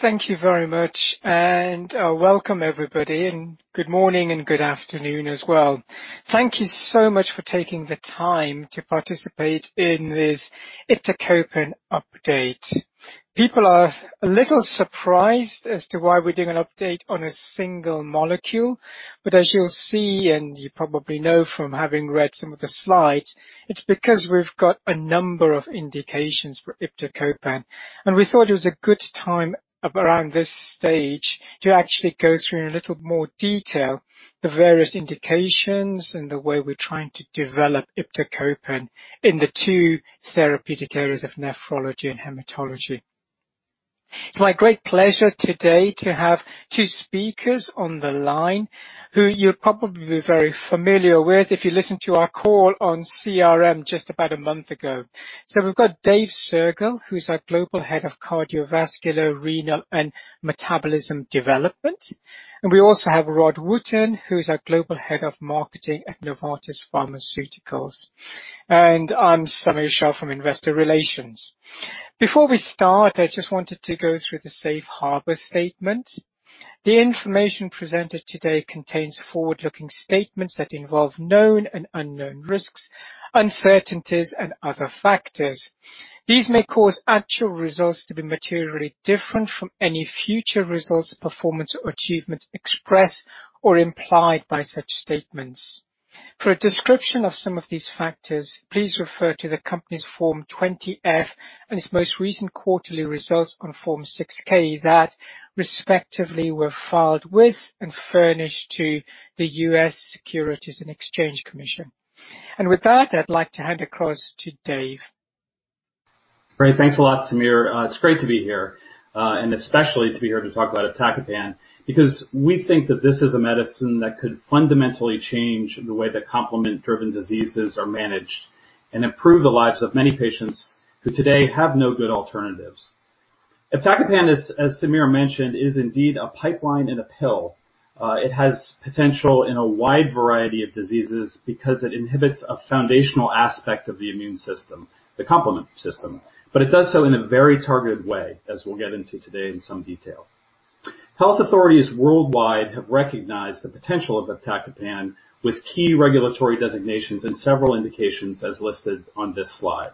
Thank you very much, and welcome everybody, and good morning and good afternoon as well. Thank you so much for taking the time to participate in this iptacopan update. People are a little surprised as to why we're doing an update on a single molecule. As you'll see, and you probably know from having read some of the slides, it's because we've got a number of indications for iptacopan, and we thought it was a good time up around this stage to actually go through in a little more detail, the various indications and the way we're trying to develop iptacopan in the two therapeutic areas of nephrology and hematology. It's my great pleasure today to have two speakers on the line who you'll probably be very familiar with if you listened to our call on CRM just about a month ago. We've got David Soergel, who's our Global Head of Cardiovascular, Renal and Metabolism Development, and we also have Rod Wooten, who's our Global Head of Marketing at Novartis Pharmaceuticals. I'm Samir Shah from Investor Relations. Before we start, I just wanted to go through the safe harbor statement. The information presented today contains forward-looking statements that involve known and unknown risks, uncertainties, and other factors. These may cause actual results to be materially different from any future results, performance, or achievements expressed or implied by such statements. For a description of some of these factors, please refer to the company's Form 20-F and its most recent quarterly results on Form 6-K that respectively were filed with and furnished to the U.S. Securities and Exchange Commission. With that, I'd like to hand across to David. Great. Thanks a lot, Samir. It's great to be here, and especially to be here to talk about iptacopan because we think that this is a medicine that could fundamentally change the way that complement-driven diseases are managed and improve the lives of many patients who today have no good alternatives. Iptacopan, as Samir mentioned, is indeed a pipeline in a pill. It has potential in a wide variety of diseases because it inhibits a foundational aspect of the immune system, the complement system, but it does so in a very targeted way, as we'll get into today in some detail. Health authorities worldwide have recognized the potential of iptacopan with key regulatory designations in several indications as listed on this slide.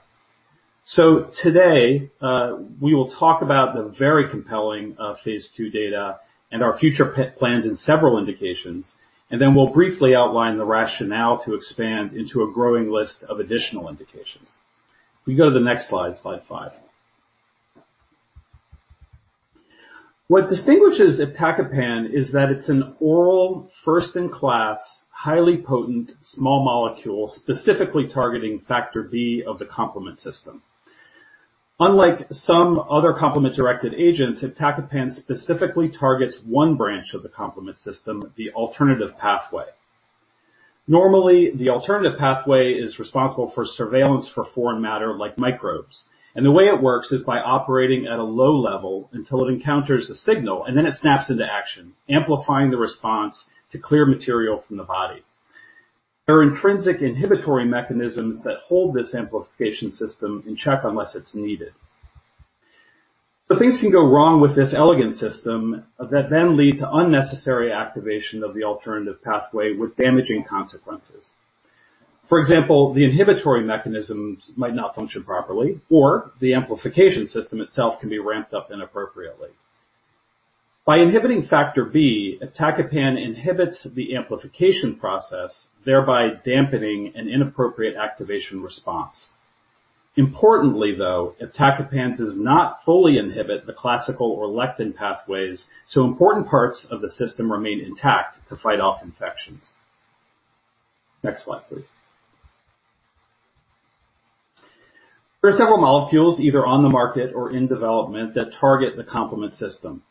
Today, we will talk about the very compelling Phase II data and our future plans in several indications, and then we'll briefly outline the rationale to expand into a growing list of additional indications. We can go to the next slide five. What distinguishes iptacopan is that it's an oral, first-in-class, highly potent, small molecule, specifically targeting Factor B of the complement system. Unlike some other complement-directed agents, iptacopan specifically targets one branch of the complement system, the alternative pathway. Normally, the alternative pathway is responsible for surveillance for foreign matter like microbes, and the way it works is by operating at a low level until it encounters a signal and then it snaps into action, amplifying the response to clear material from the body. There are intrinsic inhibitory mechanisms that hold this amplification system in check unless it's needed. Things can go wrong with this elegant system that then lead to unnecessary activation of the alternative pathway with damaging consequences. For example, the inhibitory mechanisms might not function properly, or the amplification system itself can be ramped up inappropriately. By inhibiting factor B, Iptacopan inhibits the amplification process, thereby dampening an inappropriate activation response. Importantly, though, Iptacopan does not fully inhibit the classical or lectin pathways, so important parts of the system remain intact to fight off infections. Next slide, please. There are several molecules either on the market or in development that target the complement system.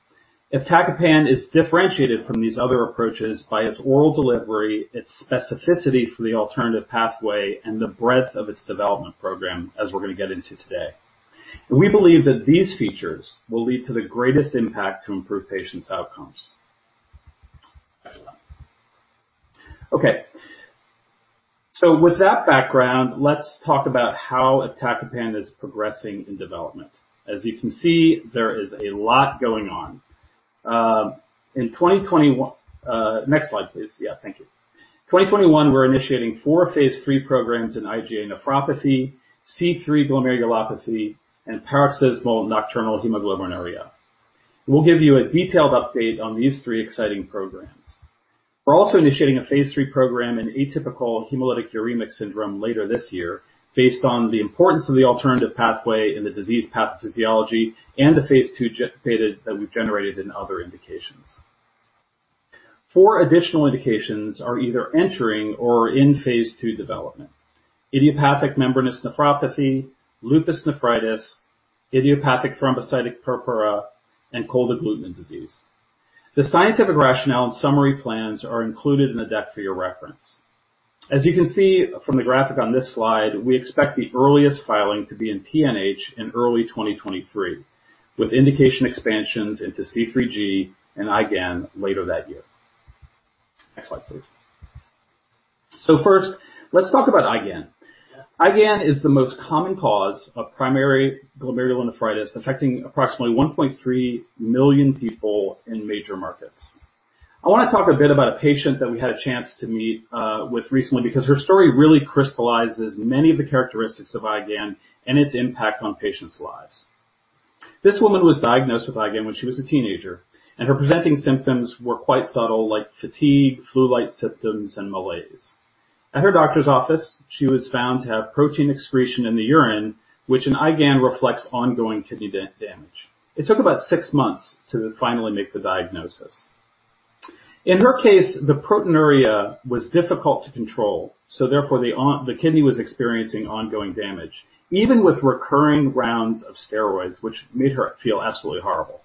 Iptacopan is differentiated from these other approaches by its oral delivery, its specificity for the alternative pathway, and the breadth of its development program, as we're going to get into today. We believe that these features will lead to the greatest impact to improve patients' outcomes. Next slide. Okay. With that background, let's talk about how iptacopan is progressing in development. As you can see, there is a lot going on. Next slide, please. Yeah, thank you. 2021, we're initiating four phase III programs in IgA nephropathy, C3 glomerulopathy, and paroxysmal nocturnal hemoglobinuria. We'll give you a detailed update on these three exciting programs. We're also initiating a phase III program in atypical hemolytic uremic syndrome later this year based on the importance of the alternative pathway in the disease pathophysiology and the phase II data that we've generated in other indications. Four additional indications are either entering or are in phase II development. idiopathic membranous nephropathy, lupus nephritis, idiopathic thrombocytopenic purpura, and cold agglutinin disease. The scientific rationale and summary plans are included in the deck for your reference. As you can see from the graphic on this slide, we expect the earliest filing to be in PNH in early 2023, with indication expansions into C3G and IgAN later that year. Next slide, please. First, let's talk about IgAN. IgAN is the most common cause of primary glomerulonephritis, affecting approximately 1.3 million people in major markets. I want to talk a bit about a patient that we had a chance to meet with recently because her story really crystallizes many of the characteristics of IgAN and its impact on patients' lives. This woman was diagnosed with IgAN when she was a teenager, and her presenting symptoms were quite subtle, like fatigue, flu-like symptoms, and malaise. At her doctor's office, she was found to have protein excretion in the urine, which in IgAN reflects ongoing kidney damage. It took about six months to finally make the diagnosis. In her case, the proteinuria was difficult to control, therefore the kidney was experiencing ongoing damage, even with recurring rounds of steroids, which made her feel absolutely horrible.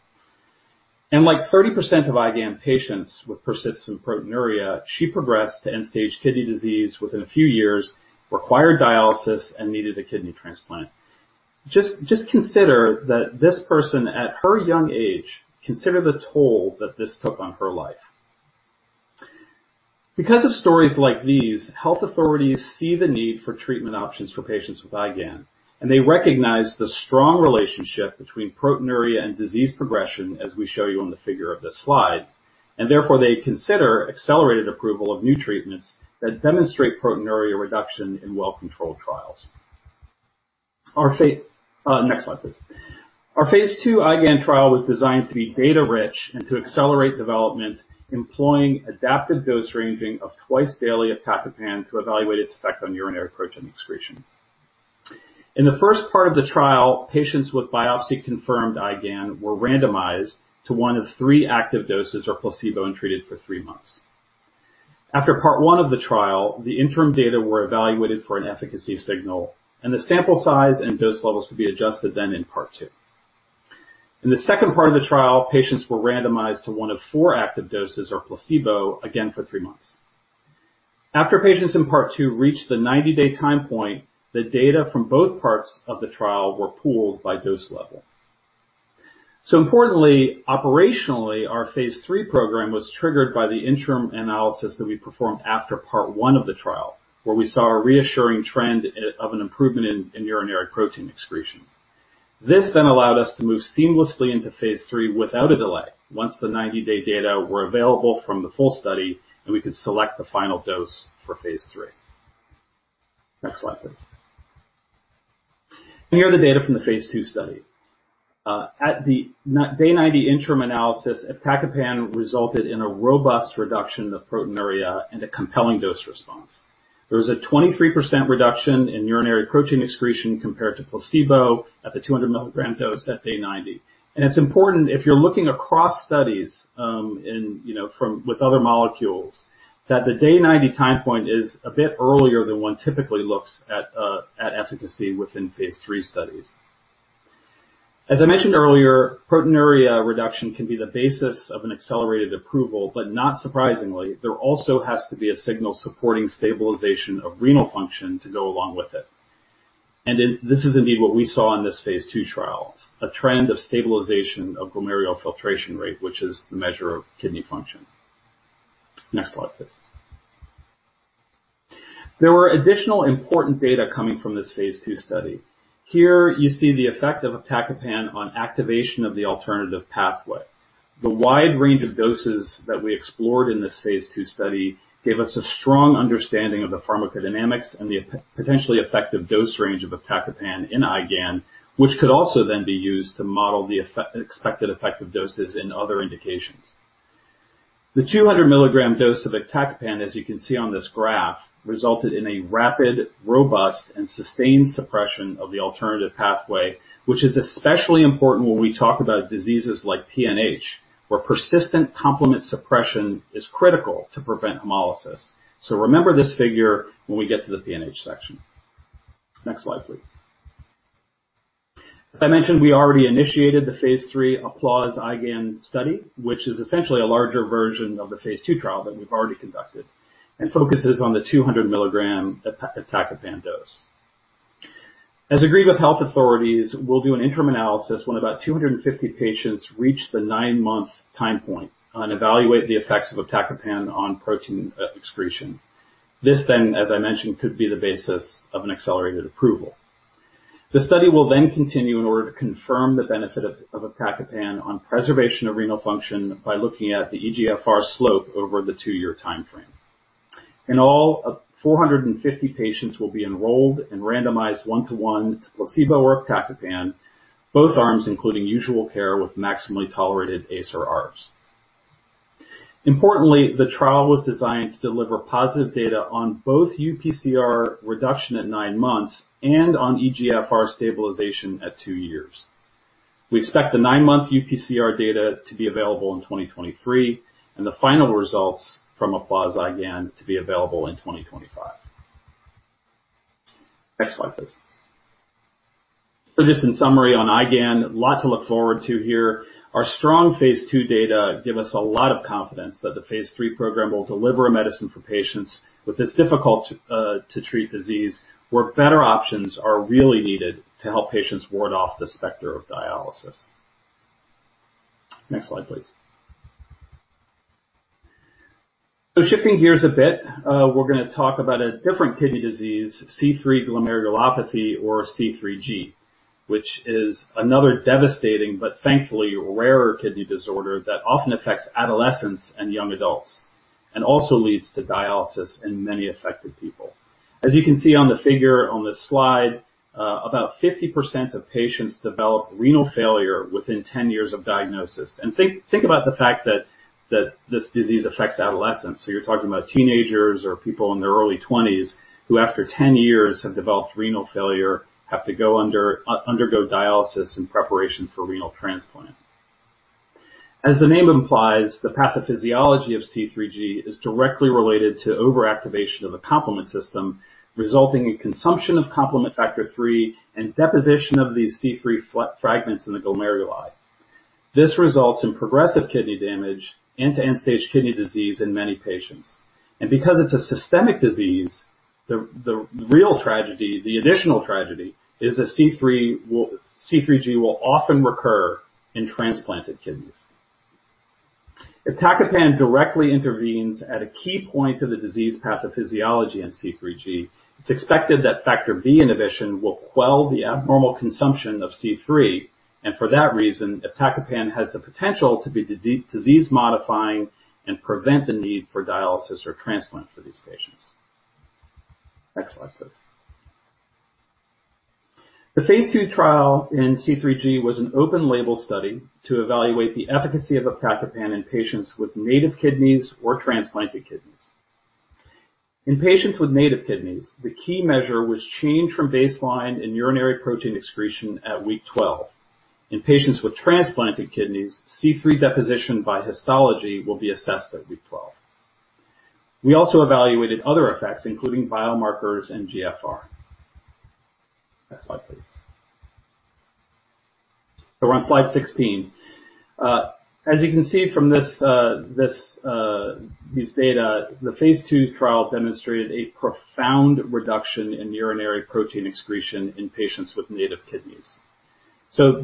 Like 30% of IgAN patients with persistent proteinuria, she progressed to end-stage kidney disease within a few years, required dialysis, and needed a kidney transplant. Just consider that this person at her young age, consider the toll that this took on her life. Because of stories like these, health authorities see the need for treatment options for patients with IgAN. They recognize the strong relationship between proteinuria and disease progression, as we show you on the figure of this slide. Therefore, they consider accelerated approval of new treatments that demonstrate proteinuria reduction in well-controlled trials. Next slide, please. Our phase II IgAN trial was designed to be data-rich and to accelerate development employing adaptive dose ranging of twice-daily iptacopan to evaluate its effect on urinary protein excretion. In the first part of the trial, patients with biopsy-confirmed IgAN were randomized to one of three active doses or placebo and treated for three months. After part 1 of the trial, the interim data were evaluated for an efficacy signal, and the sample size and dose levels could be adjusted then in part 2. In the second part of the trial, patients were randomized to one of four active doses or placebo, again for three months. After patients in part 2 reached the 90-day time point, the data from both parts of the trial were pooled by dose level. Importantly, operationally, our phase III program was triggered by the interim analysis that we performed after part 1 of the trial, where we saw a reassuring trend of an improvement in urinary protein excretion. This allowed us to move seamlessly into phase III without a delay once the 90-day data were available from the full study, and we could select the final dose for phase III. Next slide, please. Here are the data from the phase II study. At the day 90 interim analysis, iptacopan resulted in a robust reduction of proteinuria and a compelling dose response. There was a 23% reduction in urinary protein excretion compared to placebo at the 200-milligram dose at day 90. It's important if you're looking across studies with other molecules, that the day 90 time point is a bit earlier than one typically looks at efficacy within phase III studies. As I mentioned earlier, proteinuria reduction can be the basis of an accelerated approval, but not surprisingly, there also has to be a signal supporting stabilization of renal function to go along with it. This is indeed what we saw in this phase II trial, a trend of stabilization of glomerular filtration rate, which is the measure of kidney function. Next slide, please. There were additional important data coming from this phase II study. Here, you see the effect of iptacopan on activation of the alternative pathway. The wide range of doses that we explored in this phase II study gave us a strong understanding of the pharmacodynamics and the potentially effective dose range of iptacopan in IgAN, which could also be used to model the expected effective doses in other indications. The 200-milligram dose of iptacopan, as you can see on this graph, resulted in a rapid, robust, and sustained suppression of the alternative pathway, which is especially important when we talk about diseases like PNH, where persistent complement suppression is critical to prevent hemolysis. Remember this figure when we get to the PNH section. Next slide, please. As I mentioned, we already initiated the phase III APPLAUSE-IgAN study, which is essentially a larger version of the phase II trial that we've already conducted, and focuses on the 200-milligram iptacopan dose. As agreed with health authorities, we'll do an interim analysis when about 250 patients reach the nine-month time point and evaluate the effects of iptacopan on protein excretion. This, as I mentioned, could be the basis of an accelerated approval. The study will continue in order to confirm the benefit of iptacopan on preservation of renal function by looking at the eGFR slope over the 2-year timeframe. In all, 450 patients will be enrolled and randomized 1-to-1 to placebo or iptacopan, both arms including usual care with maximally tolerated ACE or ARBs. Importantly, the trial was designed to deliver positive data on both UPCR reduction at nine months and on eGFR stabilization at 2 years. We expect the 9-month UPCR data to be available in 2023 and the final results from APPLAUSE-IgAN to be available in 2025. Next slide, please. For this, in summary on IgAN, a lot to look forward to here. Our strong phase II data give us a lot of confidence that the phase III program will deliver a medicine for patients with this difficult-to-treat disease, where better options are really needed to help patients ward off the specter of dialysis. Next slide, please. Shifting gears a bit, we're going to talk about a different kidney disease, C3 glomerulopathy or C3G, which is another devastating, but thankfully rarer kidney disorder that often affects adolescents and young adults, and also leads to dialysis in many affected people. As you can see on the figure on this slide, about 50% of patients develop renal failure within 10 years of diagnosis. Think about the fact that this disease affects adolescents. You're talking about teenagers or people in their early 20s who, after 10 years, have developed renal failure, have to undergo dialysis in preparation for renal transplant. As the name implies, the pathophysiology of C3G is directly related to overactivation of the complement system, resulting in consumption of C3 and deposition of these C3 fragments in the glomeruli. This results in progressive kidney damage and to end-stage kidney disease in many patients. Because it's a systemic disease, the real tragedy, the additional tragedy, is that C3G will often recur in transplanted kidneys. Iptacopan directly intervenes at a key point of the disease pathophysiology in C3G. It's expected that Factor B inhibition will quell the abnormal consumption of C3, and for that reason, iptacopan has the potential to be disease modifying and prevent the need for dialysis or transplant for these patients. Next slide, please. The phase II trial in C3G was an open-label study to evaluate the efficacy of iptacopan in patients with native kidneys or transplanted kidneys. In patients with native kidneys, the key measure was change from baseline and urinary protein excretion at week 12. In patients with transplanted kidneys, C3 deposition by histology will be assessed at week 12. We also evaluated other effects, including biomarkers and GFR. Next slide, please. We're on slide 16. As you can see from these data, the phase II trial demonstrated a profound reduction in urinary protein excretion in patients with native kidneys.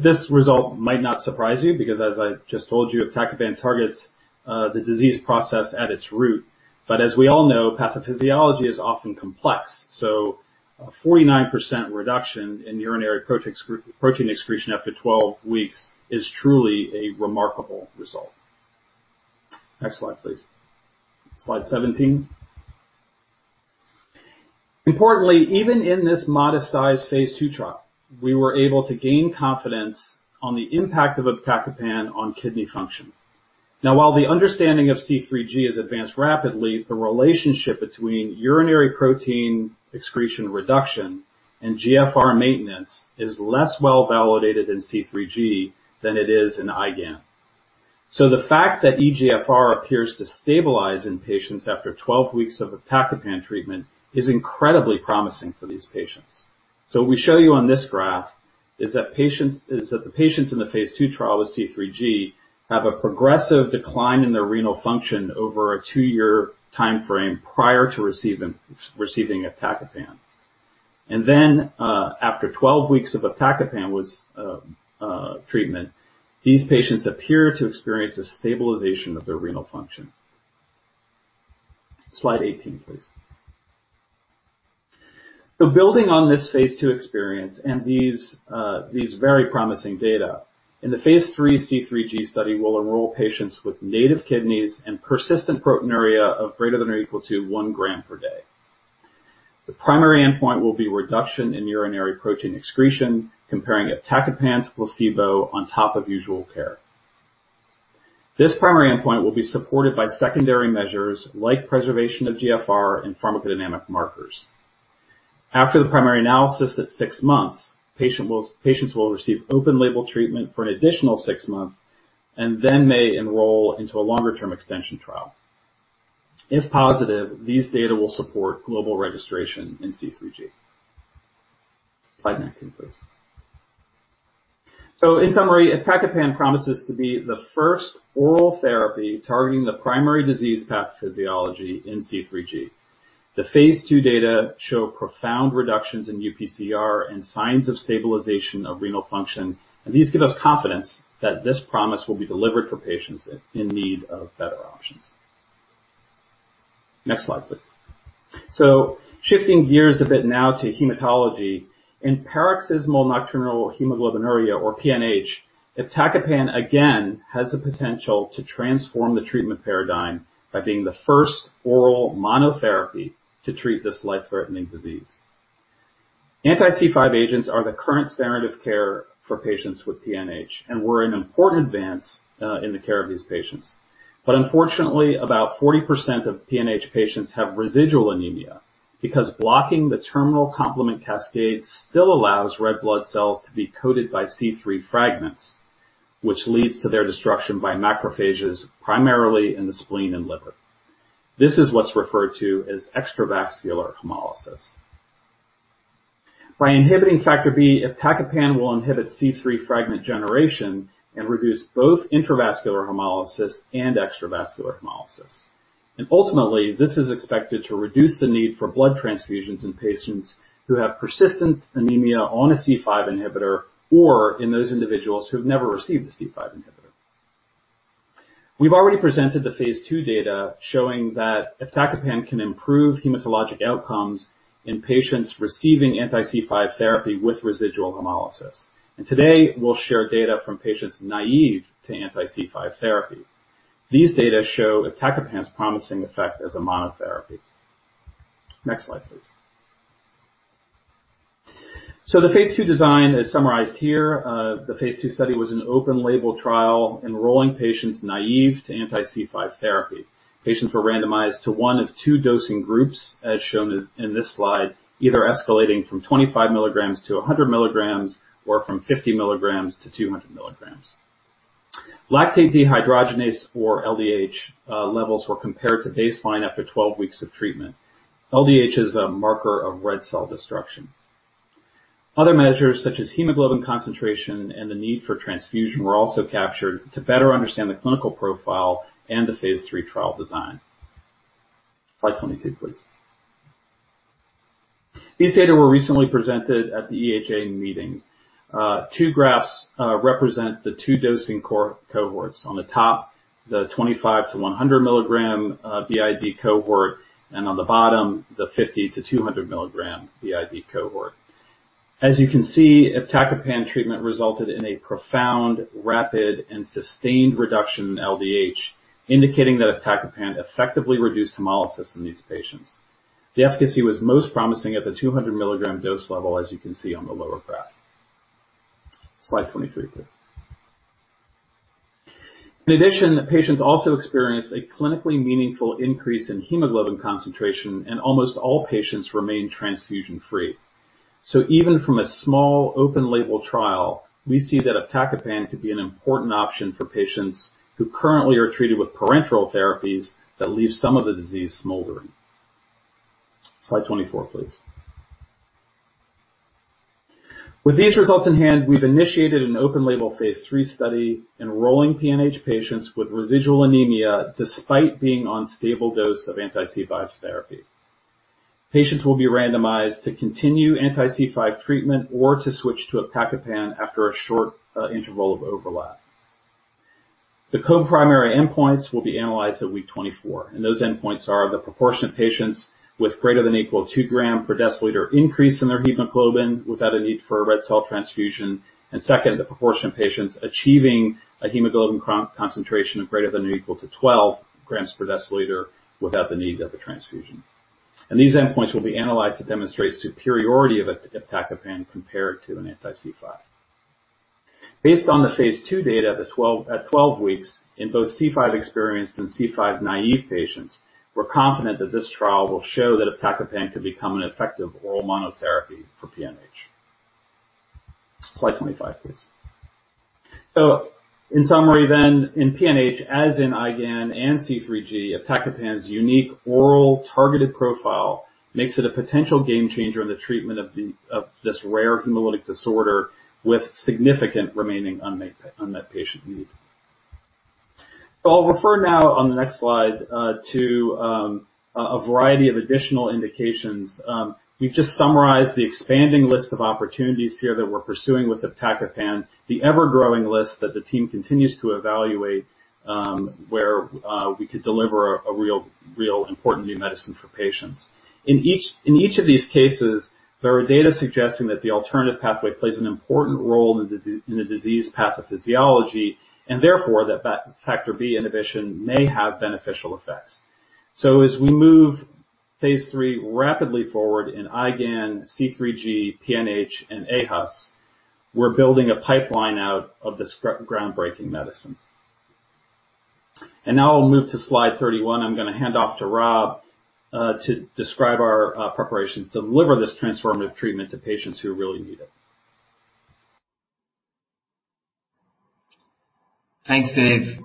This result might not surprise you because, as I just told you, iptacopan targets the disease process at its root. As we all know, pathophysiology is often complex. A 49% reduction in urinary protein excretion after 12 weeks is truly a remarkable result. Next slide, please. Slide 17. Importantly, even in this modest-sized phase II trial, we were able to gain confidence on the impact of iptacopan on kidney function. While the understanding of C3G has advanced rapidly, the relationship between urinary protein excretion reduction and GFR maintenance is less well-validated in C3G than it is in IgAN. The fact that eGFR appears to stabilize in patients after 12 weeks of iptacopan treatment is incredibly promising for these patients. We show you on this graph is that the patients in the phase II trial with C3G have a progressive decline in their renal function over a 2-year timeframe prior to receiving iptacopan. After 12 weeks of iptacopan treatment, these patients appear to experience a stabilization of their renal function. Slide 18, please. Building on this phase II experience and these very promising data, in the phase III C3G study, we'll enroll patients with native kidneys and persistent proteinuria of greater than or equal to 1 gram per day. The primary endpoint will be reduction in urinary protein excretion comparing iptacopan to placebo on top of usual care. This primary endpoint will be supported by secondary measures like preservation of GFR and pharmacodynamic markers. After the primary analysis at six months, patients will receive open-label treatment for an additional six months and then may enroll into a longer-term extension trial. If positive, these data will support global registration in C3G. Slide 19, please. In summary, iptacopan promises to be the first oral therapy targeting the primary disease pathophysiology in C3G. The phase II data show profound reductions in UPCR and signs of stabilization of renal function, and these give us confidence that this promise will be delivered for patients in need of better options. Next slide, please. Shifting gears a bit now to hematology. In paroxysmal nocturnal hemoglobinuria or PNH, iptacopan again has the potential to transform the treatment paradigm by being the first oral monotherapy to treat this life-threatening disease. Anti-C5 agents are the current standard of care for patients with PNH and were an important advance in the care of these patients. Unfortunately, about 40% of PNH patients have residual anemia because blocking the terminal complement cascade still allows red blood cells to be coated by C3 fragments, which leads to their destruction by macrophages, primarily in the spleen and liver. This is what's referred to as extravascular hemolysis. By inhibiting Factor B, iptacopan will inhibit C3 fragment generation and reduce both intravascular hemolysis and extravascular hemolysis. Ultimately, this is expected to reduce the need for blood transfusions in patients who have persistent anemia on a C5 inhibitor or in those individuals who've never received a C5 inhibitor. We've already presented the phase II data showing that iptacopan can improve hematologic outcomes in patients receiving anti-C5 therapy with residual hemolysis. Today, we'll share data from patients naive to anti-C5 therapy. These data show iptacopan's promising effect as a monotherapy. Next slide, please. The phase II design is summarized here. The phase II study was an open-label trial enrolling patients naive to anti-C5 therapy. Patients were randomized to one of two dosing groups, as shown in this slide, either escalating from 25 milligrams to 100 milligrams or from 50 milligrams to 200 milligrams. Lactate dehydrogenase or LDH levels were compared to baseline after 12 weeks of treatment. LDH is a marker of red cell destruction. Other measures such as hemoglobin concentration and the need for transfusion were also captured to better understand the clinical profile and the phase III trial design. Slide 22, please. These data were recently presented at the EHA meeting. Two graphs represent the two dosing cohorts. On the top, the 25 mg BID-100 mg BID cohort, and on the bottom, the 50 mg BID-200 mg BID cohort. As you can see, iptacopan treatment resulted in a profound, rapid, and sustained reduction in LDH, indicating that iptacopan effectively reduced hemolysis in these patients. The efficacy was most promising at the 200 mg dose level as you can see on the lower graph. Slide 23, please. In addition, patients also experienced a clinically meaningful increase in hemoglobin concentration, almost all patients remained transfusion-free. Even from a small open-label trial, we see that iptacopan could be an important option for patients who currently are treated with parenteral therapies that leave some of the disease smoldering. Slide 24, please. With these results in hand, we've initiated an open-label phase III study enrolling PNH patients with residual anemia despite being on stable dose of anti-C5 therapy. Patients will be randomized to continue anti-C5 treatment or to switch to iptacopan after a short interval of overlap. Those endpoints are the proportion of patients with greater than equal 2 gram per deciliter increase in their hemoglobin without a need for a red cell transfusion, and second, the proportion of patients achieving a hemoglobin concentration of greater than or equal to 12 grams per deciliter without the need of a transfusion. These endpoints will be analyzed to demonstrate superiority of iptacopan compared to an anti-C5. Based on the phase II data at 12 weeks in both C5-experienced and C5-naive patients, we're confident that this trial will show that iptacopan could become an effective oral monotherapy for PNH. Slide 25, please. In summary, in PNH, as in IgAN and C3G, iptacopan's unique oral targeted profile makes it a potential game changer in the treatment of this rare hemolytic disorder with significant remaining unmet patient need. I'll refer now on the next slide to a variety of additional indications. We've just summarized the expanding list of opportunities here that we're pursuing with iptacopan, the ever-growing list that the team continues to evaluate where we could deliver a real important new medicine for patients. In each of these cases, there are data suggesting that the alternative pathway plays an important role in the disease pathophysiology and therefore that Factor B inhibition may have beneficial effects. As we move phase III rapidly forward in IgAN, C3G, PNH, and aHUS, we're building a pipeline out of this groundbreaking medicine. Now I'll move to slide 31. I'm going to hand off to Rod, to describe our preparations to deliver this transformative treatment to patients who really need it. Thanks, Dave.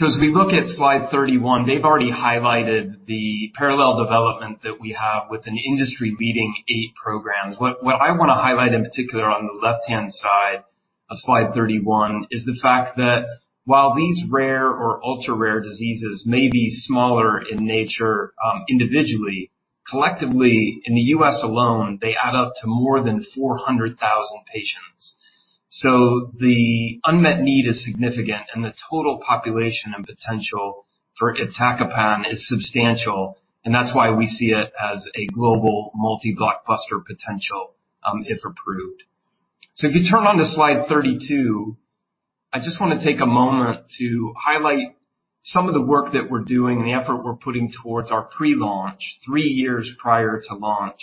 As we look at slide 31, Dave already highlighted the parallel development that we have with an industry-leading eight programs. What I want to highlight in particular on the left-hand side of slide 31 is the fact that while these rare or ultra-rare diseases may be smaller in nature individually, collectively in the U.S. alone, they add up to more than 400,000 patients. The unmet need is significant, and the total population and potential for iptacopan is substantial, and that's why we see it as a global multi-blockbuster potential, if approved. If you turn on to slide 32, I just want to take a moment to highlight some of the work that we're doing and the effort we're putting towards our pre-launch, three years prior to launch.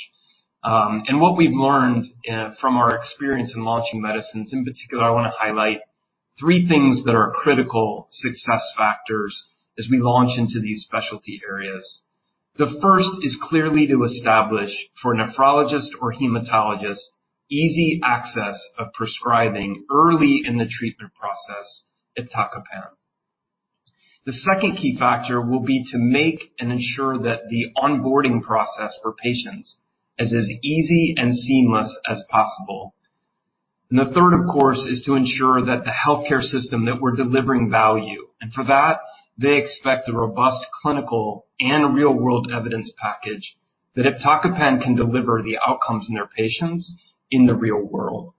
What we've learned from our experience in launching medicines. In particular, I want to highlight three things that are critical success factors as we launch into these specialty areas. The first is clearly to establish for nephrologists or hematologists easy access of prescribing early in the treatment process iptacopan. The second key factor will be to make and ensure that the onboarding process for patients is as easy and seamless as possible. The third, of course, is to ensure that the healthcare system, that we're delivering value. For that, they expect a robust clinical and real-world evidence package that iptacopan can deliver the outcomes in their patients in the real world.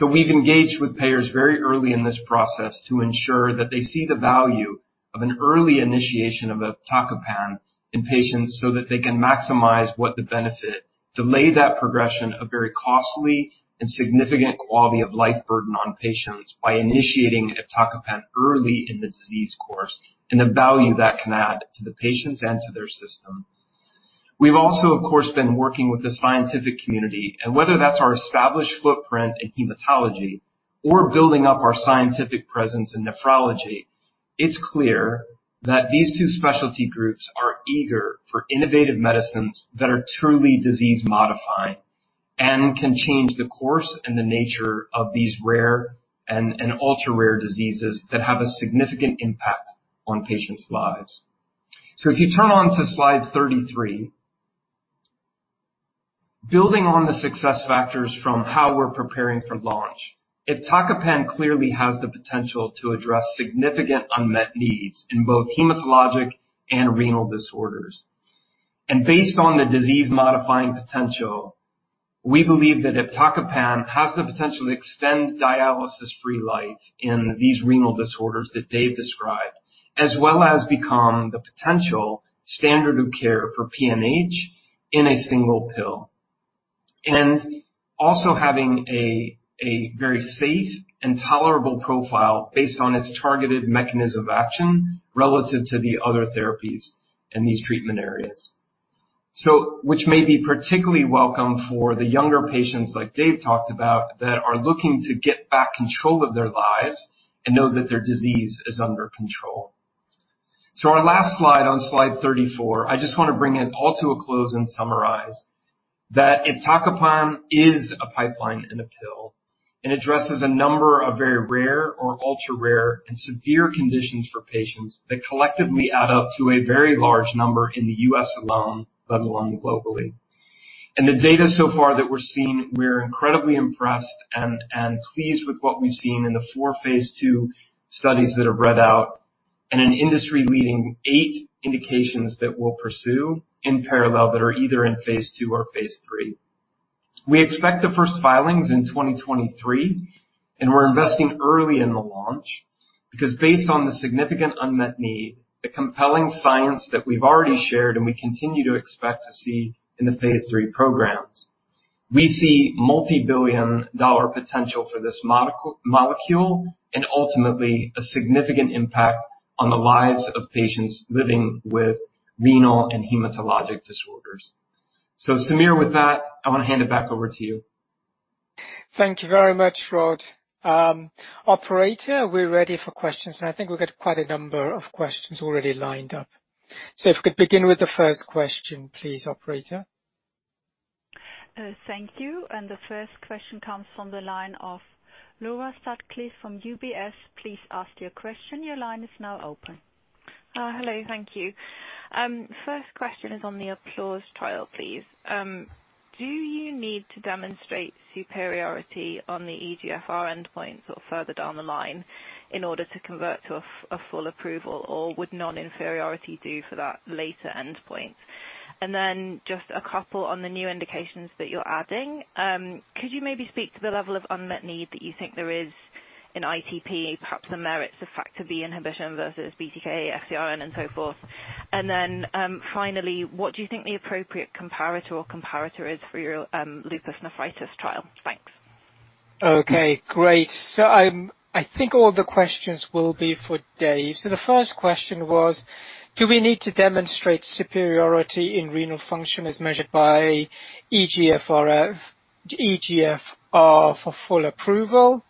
We've engaged with payers very early in this process to ensure that they see the value of an early initiation of iptacopan in patients, so that they can maximize what the benefit, delay that progression of very costly and significant quality of life burden on patients by initiating iptacopan early in the disease course, and the value that can add to the patients and to their system. We've also, of course, been working with the scientific community, whether that's our established footprint in hematology or building up our scientific presence in nephrology, it's clear that these two specialty groups are eager for innovative medicines that are truly disease-modifying and can change the course and the nature of these rare and ultra-rare diseases that have a significant impact on patients' lives. If you turn onto slide 33. Building on the success factors from how we're preparing for launch, iptacopan clearly has the potential to address significant unmet needs in both hematologic and renal disorders. Based on the disease-modifying potential, we believe that iptacopan has the potential to extend dialysis-free life in these renal disorders that David Soergel described, as well as become the potential standard of care for PNH in a single pill. Also having a very safe and tolerable profile based on its targeted mechanism of action relative to the other therapies in these treatment areas. Which may be particularly welcome for the younger patients like David Soergel talked about, that are looking to get back control of their lives and know that their disease is under control. Our last slide on slide 34, I just want to bring it all to a close and summarize that iptacopan is a pipeline in a pill and addresses a number of very rare or ultra-rare and severe conditions for patients that collectively add up to a very large number in the U.S. alone, let alone globally. The data so far that we're seeing, we're incredibly impressed and pleased with what we've seen in the four phase II studies that have read out and an industry-leading eight indications that we'll pursue in parallel that are either in phase II or phase III. We expect the first filings in 2023, and we're investing early in the launch because based on the significant unmet need, the compelling science that we've already shared and we continue to expect to see in the phase III programs, we see multibillion-dollar potential for this molecule, and ultimately a significant impact on the lives of patients living with renal and hematologic disorders. Samir, with that, I want to hand it back over to you. Thank you very much, Rod. Operator, we're ready for questions, and I think we've got quite a number of questions already lined up. If we could begin with the first question, please, operator. Thank you. The first question comes from the line of Laura Sutcliffe from UBS. Please ask your question. Your line is now open. Hello. Thank you. First question is on the APPLAUSE-IgAN trial, please. Do you need to demonstrate superiority on the eGFR endpoints or further down the line in order to convert to a full approval, or would non-inferiority do for that later endpoint? Then just a couple on the new indications that you're adding. Could you maybe speak to the level of unmet need that you think there is in ITP, perhaps the merits of Factor B inhibition versus BTK, SYK, and so forth? Then, finally, what do you think the appropriate comparator or comparators for your lupus nephritis trial? Thanks. Okay, great. I think all the questions will be for Dave. The first question was, do we need to demonstrate superiority in renal function as measured by eGFR for full approval?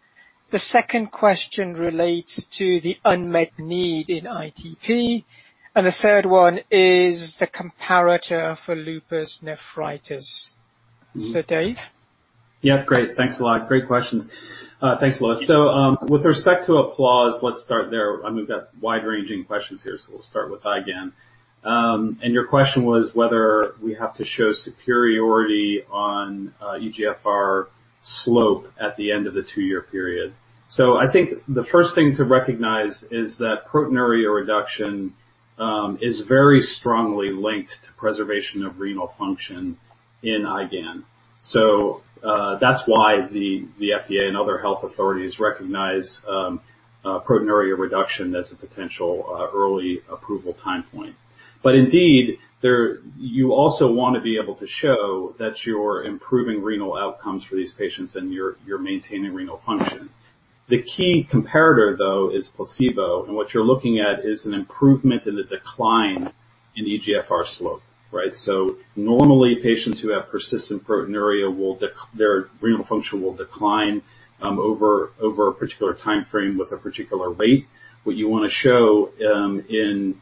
The second question relates to the unmet need in ITP, and the third one is the comparator for lupus nephritis. Dave? Yeah. Great. Thanks a lot. Great questions. Thanks, Laura. With respect to APPLAUSE-IgAN, let's start there. I mean, we've got wide-ranging questions here, so we'll start with IgAN. Your question was whether we have to show superiority on eGFR slope at the end of the 2-year period. I think the first thing to recognize is that proteinuria reduction is very strongly linked to preservation of renal function in IgAN. That's why the FDA and other health authorities recognize proteinuria reduction as a potential early approval time point. Indeed, you also want to be able to show that you're improving renal outcomes for these patients and you're maintaining renal function. The key comparator, though, is placebo, and what you're looking at is an improvement in the decline in eGFR slope, right? Normally, patients who have persistent proteinuria their renal function will decline over a particular time frame with a particular rate. What you want to show in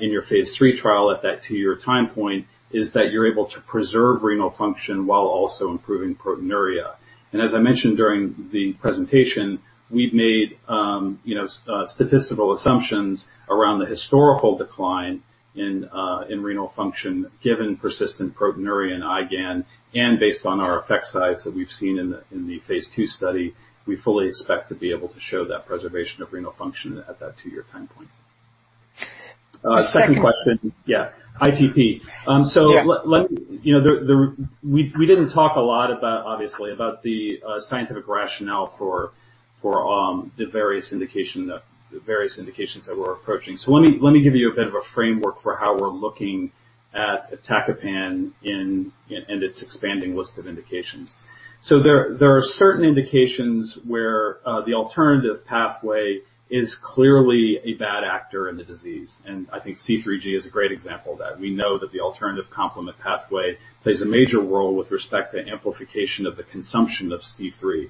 your phase III trial at that two-year time point is that you're able to preserve renal function while also improving proteinuria. As I mentioned during the presentation, we've made statistical assumptions around the historical decline in renal function, given persistent proteinuria in IgAN, and based on our effect size that we've seen in the phase II study, we fully expect to be able to show that preservation of renal function at that two-year time point. Second question. Yeah, ITP. Yeah. We didn't talk a lot, obviously, about the scientific rationale for the various indications that we're approaching. Let me give you a bit of a framework for how we're looking at iptacopan and its expanding list of indications. There are certain indications where the alternative pathway is clearly a bad actor in the disease, and I think C3G is a great example of that. We know that the alternative complement pathway plays a major role with respect to amplification of the consumption of C3.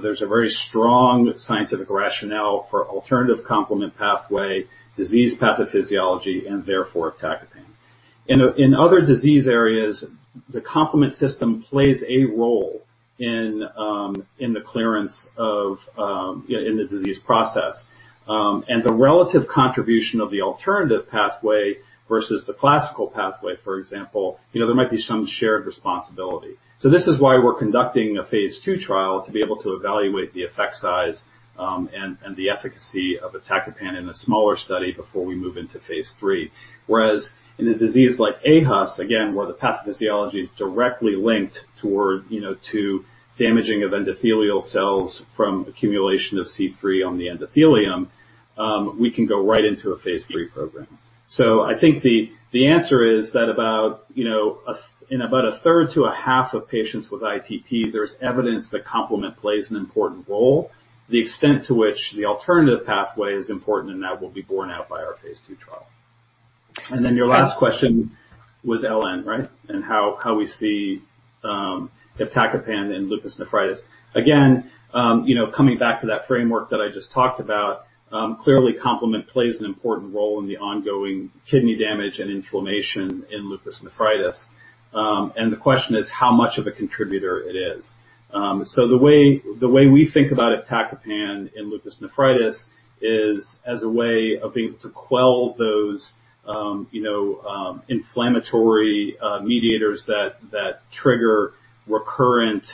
There's a very strong scientific rationale for alternative complement pathway, disease pathophysiology, and therefore iptacopan. In other disease areas, the complement system plays a role in the disease process. The relative contribution of the alternative pathway versus the classical pathway, for example, there might be some shared responsibility. This is why we're conducting a phase II trial, to be able to evaluate the effect size and the efficacy of iptacopan in a smaller study before we move into phase III. Whereas in a disease like IgAN, again, where the pathophysiology is directly linked toward damaging of endothelial cells from accumulation of C3 on the endothelium, we can go right into a phase III program. I think the answer is that about a third to a half of patients with ITP, there's evidence that complement plays an important role. The extent to which the alternative pathway is important, that will be borne out by our phase II trial. Your last question was LN, right? How we see iptacopan in lupus nephritis. Again, coming back to that framework that I just talked about, clearly complement plays an important role in the ongoing kidney damage and inflammation in lupus nephritis. The question is, how much of a contributor it is. The way we think about iptacopan in lupus nephritis is as a way of being able to quell those inflammatory mediators that trigger recurrent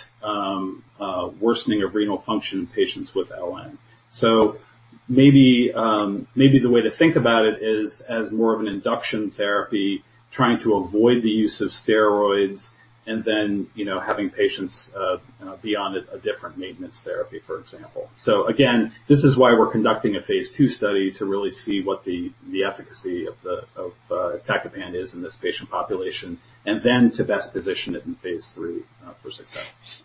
worsening of renal function in patients with LN. Maybe the way to think about it is as more of an induction therapy, trying to avoid the use of steroids and then, having patients be on a different maintenance therapy, for example. Again, this is why we're conducting a phase II study to really see what the efficacy of iptacopan is in this patient population, and then to best position it in phase III for success.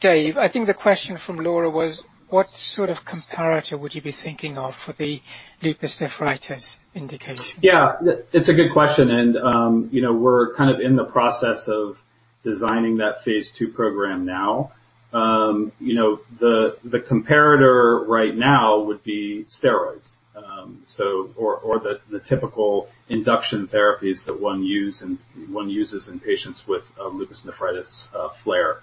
David, I think the question from Laura was, what sort of comparator would you be thinking of for the lupus nephritis indication? Yeah. It's a good question, and we're in the process of designing that phase II program now. The comparator right now would be steroids or the typical induction therapies that one uses in patients with a lupus nephritis flare.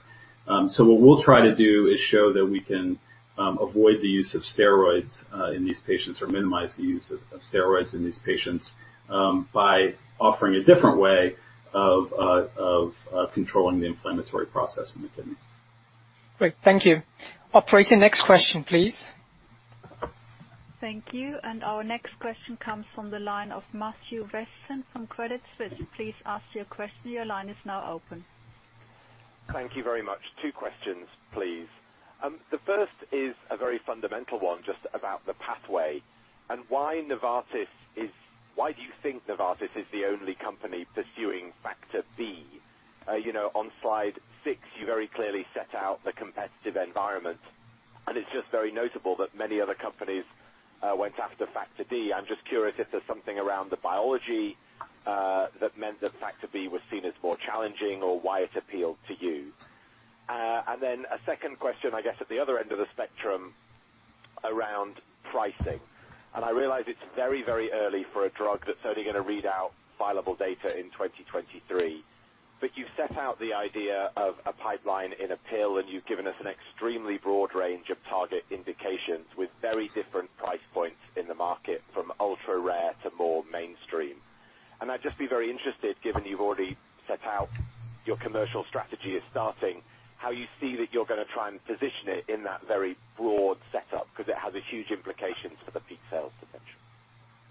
What we'll try to do is show that we can avoid the use of steroids in these patients or minimize the use of steroids in these patients, by offering a different way of controlling the inflammatory process in the kidney. Great. Thank you. Operator, next question, please. Thank you. Our next question comes from the line of Matthew Weston from Credit Suisse. Please ask your question. Your line is now open. Thank you very much. Two questions, please. The first is a very fundamental one just about the pathway and why do you think Novartis is the only company pursuing factor B? On slide 6, you very clearly set out the competitive environment, and it's just very notable that many other companies went after factor B. I'm just curious if there's something around the biology, that meant that factor B was seen as more challenging or why it appealed to you. A second question, I guess, at the other end of the spectrum around pricing. I realize it's very early for a drug that's only going to read out fileable data in 2023. You've set out the idea of a pipeline in a pill, and you've given us an extremely broad range of target indications with very different price points in the market, from ultra-rare to more mainstream. I'd just be very interested, given you've already set out your commercial strategy as starting, how you see that you're going to try and position it in that very broad setup, because it has a huge implication for the peak sales potential.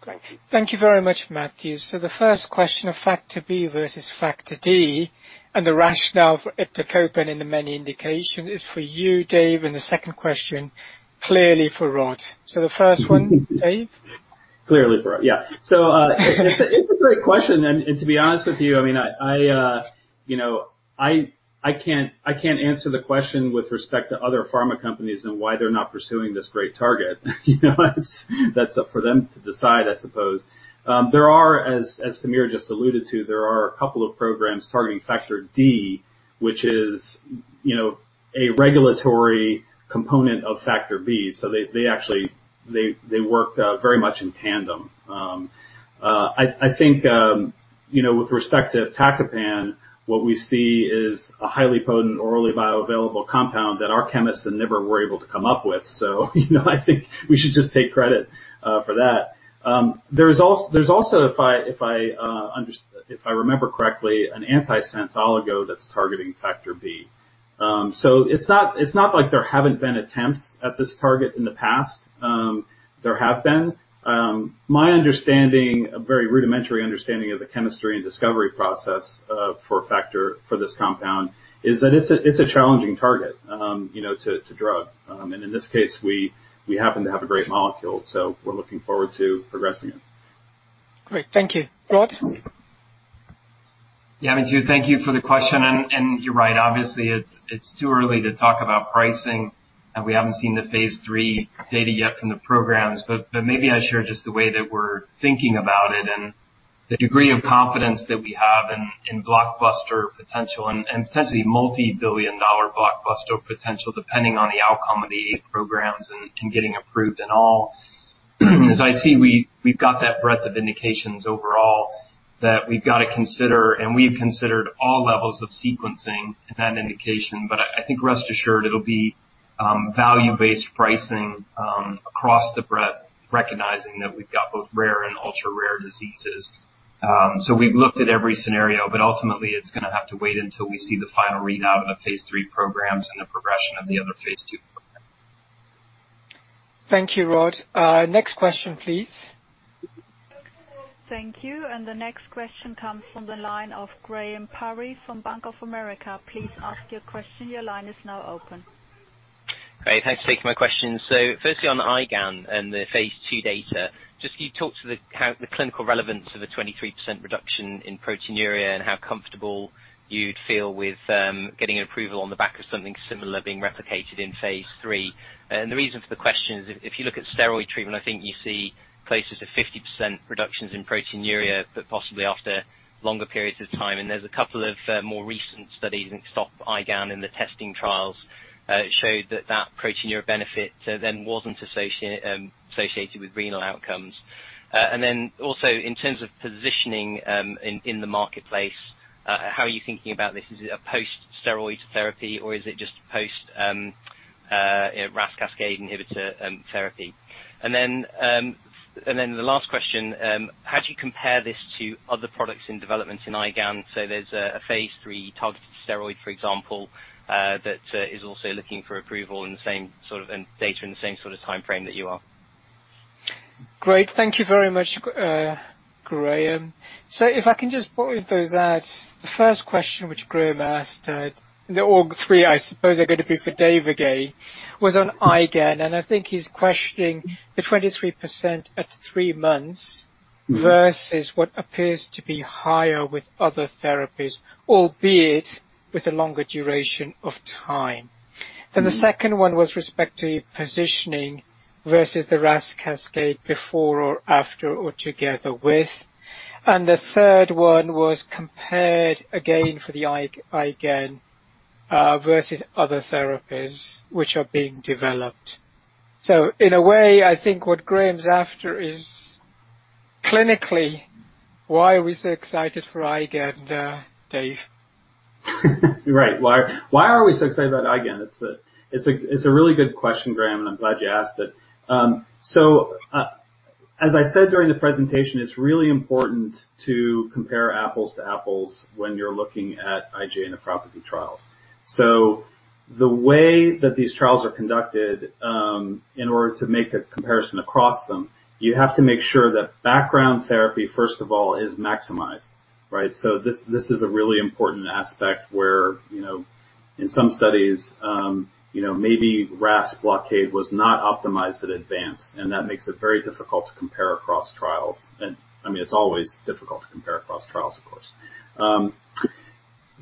Thank you. Thank you very much, Matthew. The first question of Factor B versus Factor D and the rationale for iptacopan in the many indications is for you, Dave, and the second question clearly for Rod. The first one, Dave? Clearly for Rod. Yeah. It's a great question, and to be honest with you, I can't answer the question with respect to other pharma companies and why they're not pursuing this great target. That's up for them to decide, I suppose. As Samir just alluded to, there are a couple of programs targeting Factor D, which is a regulatory component of Factor B. They work very much in tandem. I think, with respect to iptacopan, what we see is a highly potent orally bioavailable compound that our chemists at NIBR were able to come up with. I think we should just take credit for that. There's also, if I remember correctly, an antisense oligo that's targeting Factor B. So it's not like there haven't been attempts at this target in the past. There have been. My understanding, a very rudimentary understanding of the chemistry and discovery process, for a factor for this compound is that it's a challenging target to drug. In this case, we happen to have a great molecule, so we're looking forward to progressing it. Great. Thank you. Rod? Thank you for the question, and you're right. Obviously, it's too early to talk about pricing, and we haven't seen the phase III data yet from the programs. Maybe I share just the way that we're thinking about it and the degree of confidence that we have in blockbuster potential and potentially multibillion-dollar blockbuster potential, depending on the outcome of the programs and getting approved and all. I see, we've got that breadth of indications overall that we've got to consider, and we've considered all levels of sequencing in that indication. I think rest assured, it'll be value-based pricing, across the breadth, recognizing that we've got both rare and ultra-rare diseases. We've looked at every scenario, but ultimately it's going to have to wait until we see the final readout of phase III programs and the progression of the other phase II programs. Thank you, Rod. Next question, please. Thank you. The next question comes from the line of Graham Parry from Bank of America. Please ask your question. Great. Thanks for taking my question. Firstly, on IgAN and the phase II data, just could you talk to the clinical relevance of a 23% reduction in proteinuria and how comfortable you'd feel with getting approval on the back of something similar being replicated in phase III? The reason for the question is, if you look at steroid treatment, I think you see closer to 50% reductions in proteinuria, but possibly after longer periods of time. There's a couple of more recent studies in STOP-IgAN in the TESTING trial, showed that that proteinuria benefit then wasn't associated with renal outcomes. Also in terms of positioning in the marketplace, how are you thinking about this? Is it a post-steroid therapy or is it just post-RAS cascade inhibitor therapy? The last question, how do you compare this to other products in development in IgAN? There's a phase III targeted steroid, for example, that is also looking for approval and data in the same sort of timeframe that you are. Great. Thank you very much, Graham. If I can just boil those out. The first question, which Graham asked, all three, I suppose they're going to be for Dave again, was on IgAN, and I think he's questioning the 23% at three months versus what appears to be higher with other therapies, albeit with a longer duration of time. The second one was respect to positioning versus the RAS cascade before or after or together with. The third one was compared, again, for the IgAN, versus other therapies which are being developed. In a way, I think what Graham's after is clinically, why are we so excited for IgAN, Dave? Right. Why are we so excited about IgAN? It's a really good question, Graham, and I'm glad you asked it. As I said during the presentation, it's really important to compare apples to apples when you're looking at IgA nephropathy trials. The way that these trials are conducted, in order to make a comparison across them, you have to make sure that background therapy, first of all, is maximized. Right? This is a really important aspect where in some studies, maybe RAS blockade was not optimized in advance, and that makes it very difficult to compare across trials. It's always difficult to compare across trials, of course.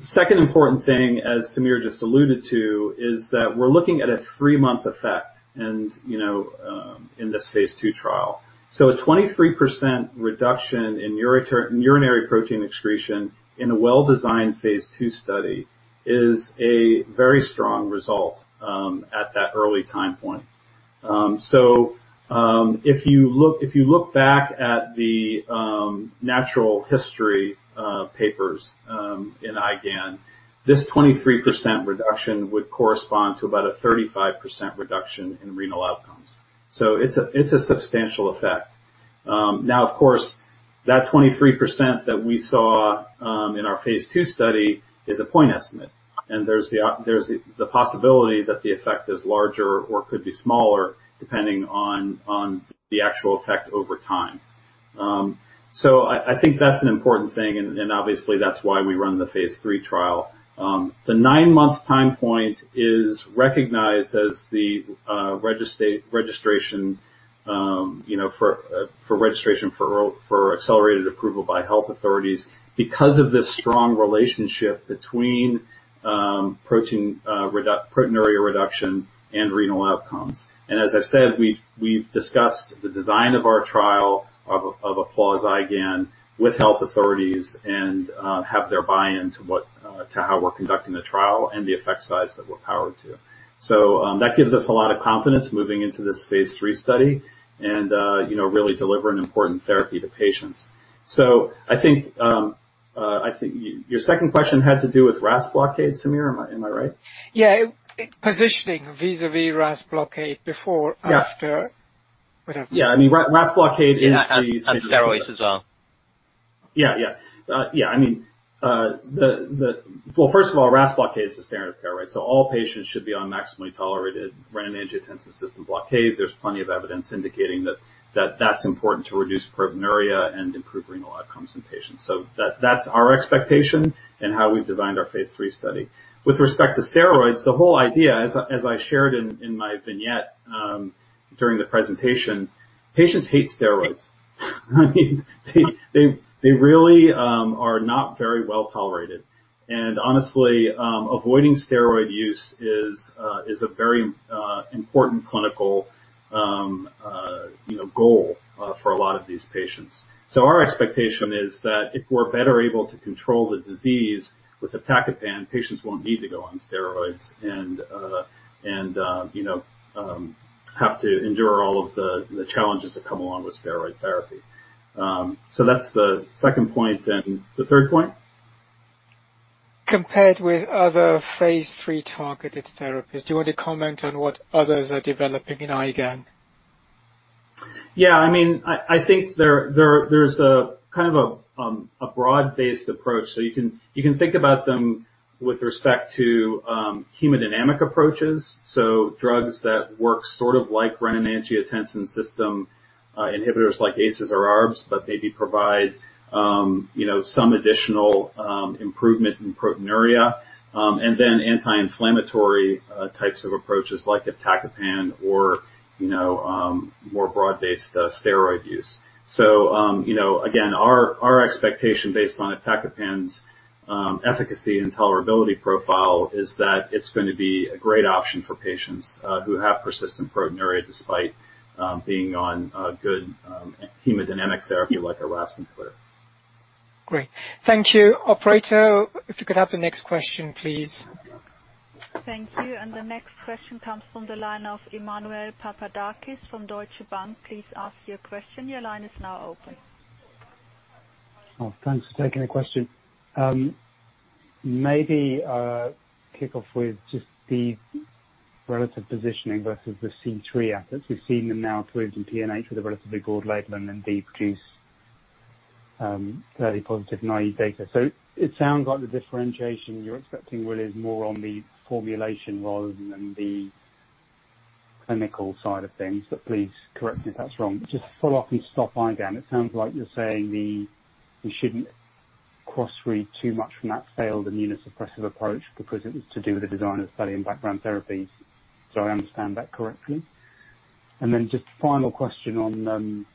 Second important thing, as Samir just alluded to, is that we're looking at a 3-month effect in this phase II trial. A 23% reduction in urinary protein excretion in a well-designed phase II study is a very strong result at that early time point. If you look back at the natural history papers in IgAN, this 23% reduction would correspond to about a 35% reduction in renal outcomes. It's a substantial effect. Now, of course, that 23% that we saw in our phase II study is a point estimate, and there's the possibility that the effect is larger or could be smaller, depending on the actual effect over time. I think that's an important thing, and obviously, that's why we run the phase III trial. The 9-month time point is recognized as the registration for accelerated approval by health authorities because of this strong relationship between proteinuria reduction and renal outcomes. As I've said, we've discussed the design of our trial of APPLAUSE-IgAN with health authorities and have their buy-in to how we're conducting the trial and the effect size that we're powered to. That gives us a lot of confidence moving into this phase III study and really deliver an important therapy to patients. I think your second question had to do with RAS blockade, Samir. Am I right? Yeah. Positioning vis-à-vis RAS blockade before, after. Whatever. Yeah. Yeah, steroids as well. Yeah. Well, first of all, RAS blockade is the standard of care, right? All patients should be on maximally tolerated renin-angiotensin system blockade. There's plenty of evidence indicating that that's important to reduce proteinuria and improve renal outcomes in patients. That's our expectation and how we've designed our phase III study. With respect to steroids, the whole idea, as I shared in my vignette during the presentation, patients hate steroids. They really are not very well-tolerated. Honestly, avoiding steroid use is a very important clinical goal for a lot of these patients. Our expectation is that if we're better able to control the disease with iptacopan, patients won't need to go on steroids and have to endure all of the challenges that come along with steroid therapy. That's the second point. The third point? Compared with other phase III targeted therapies, do you want to comment on what others are developing in IgAN? Yeah. I think there's a broad-based approach. You can think about them with respect to hemodynamic approaches, drugs that work like renin-angiotensin system inhibitors like ACEis or ARBs, but maybe provide some additional improvement in proteinuria. Anti-inflammatory types of approaches like iptacopan or more broad-based steroid use. Again, our expectation based on iptacopan's efficacy and tolerability profile is that it's going to be a great option for patients who have persistent proteinuria despite being on good hemodynamic therapy like a RAS inhibitor. Great. Thank you. Operator, if you could have the next question, please. Thank you. The next question comes from the line of Emmanuel Papadakis from Deutsche Bank. Please ask your question. Your line is now open. Oh, thanks for taking the question. Maybe kick off with just the relative positioning versus the C3 efforts. We've seen them now through in PNH for the relatively broad label and deep juice, fairly +90 data. It sounds like the differentiation you're expecting really is more on the formulation rather than the clinical side of things, but please correct me if that's wrong. Just follow-up with just off IgAN. It sounds like you're saying we shouldn't cross-read too much from that failed immunosuppressive approach because it was to do with the design of study and background therapies. Do I understand that correctly? Then just final question on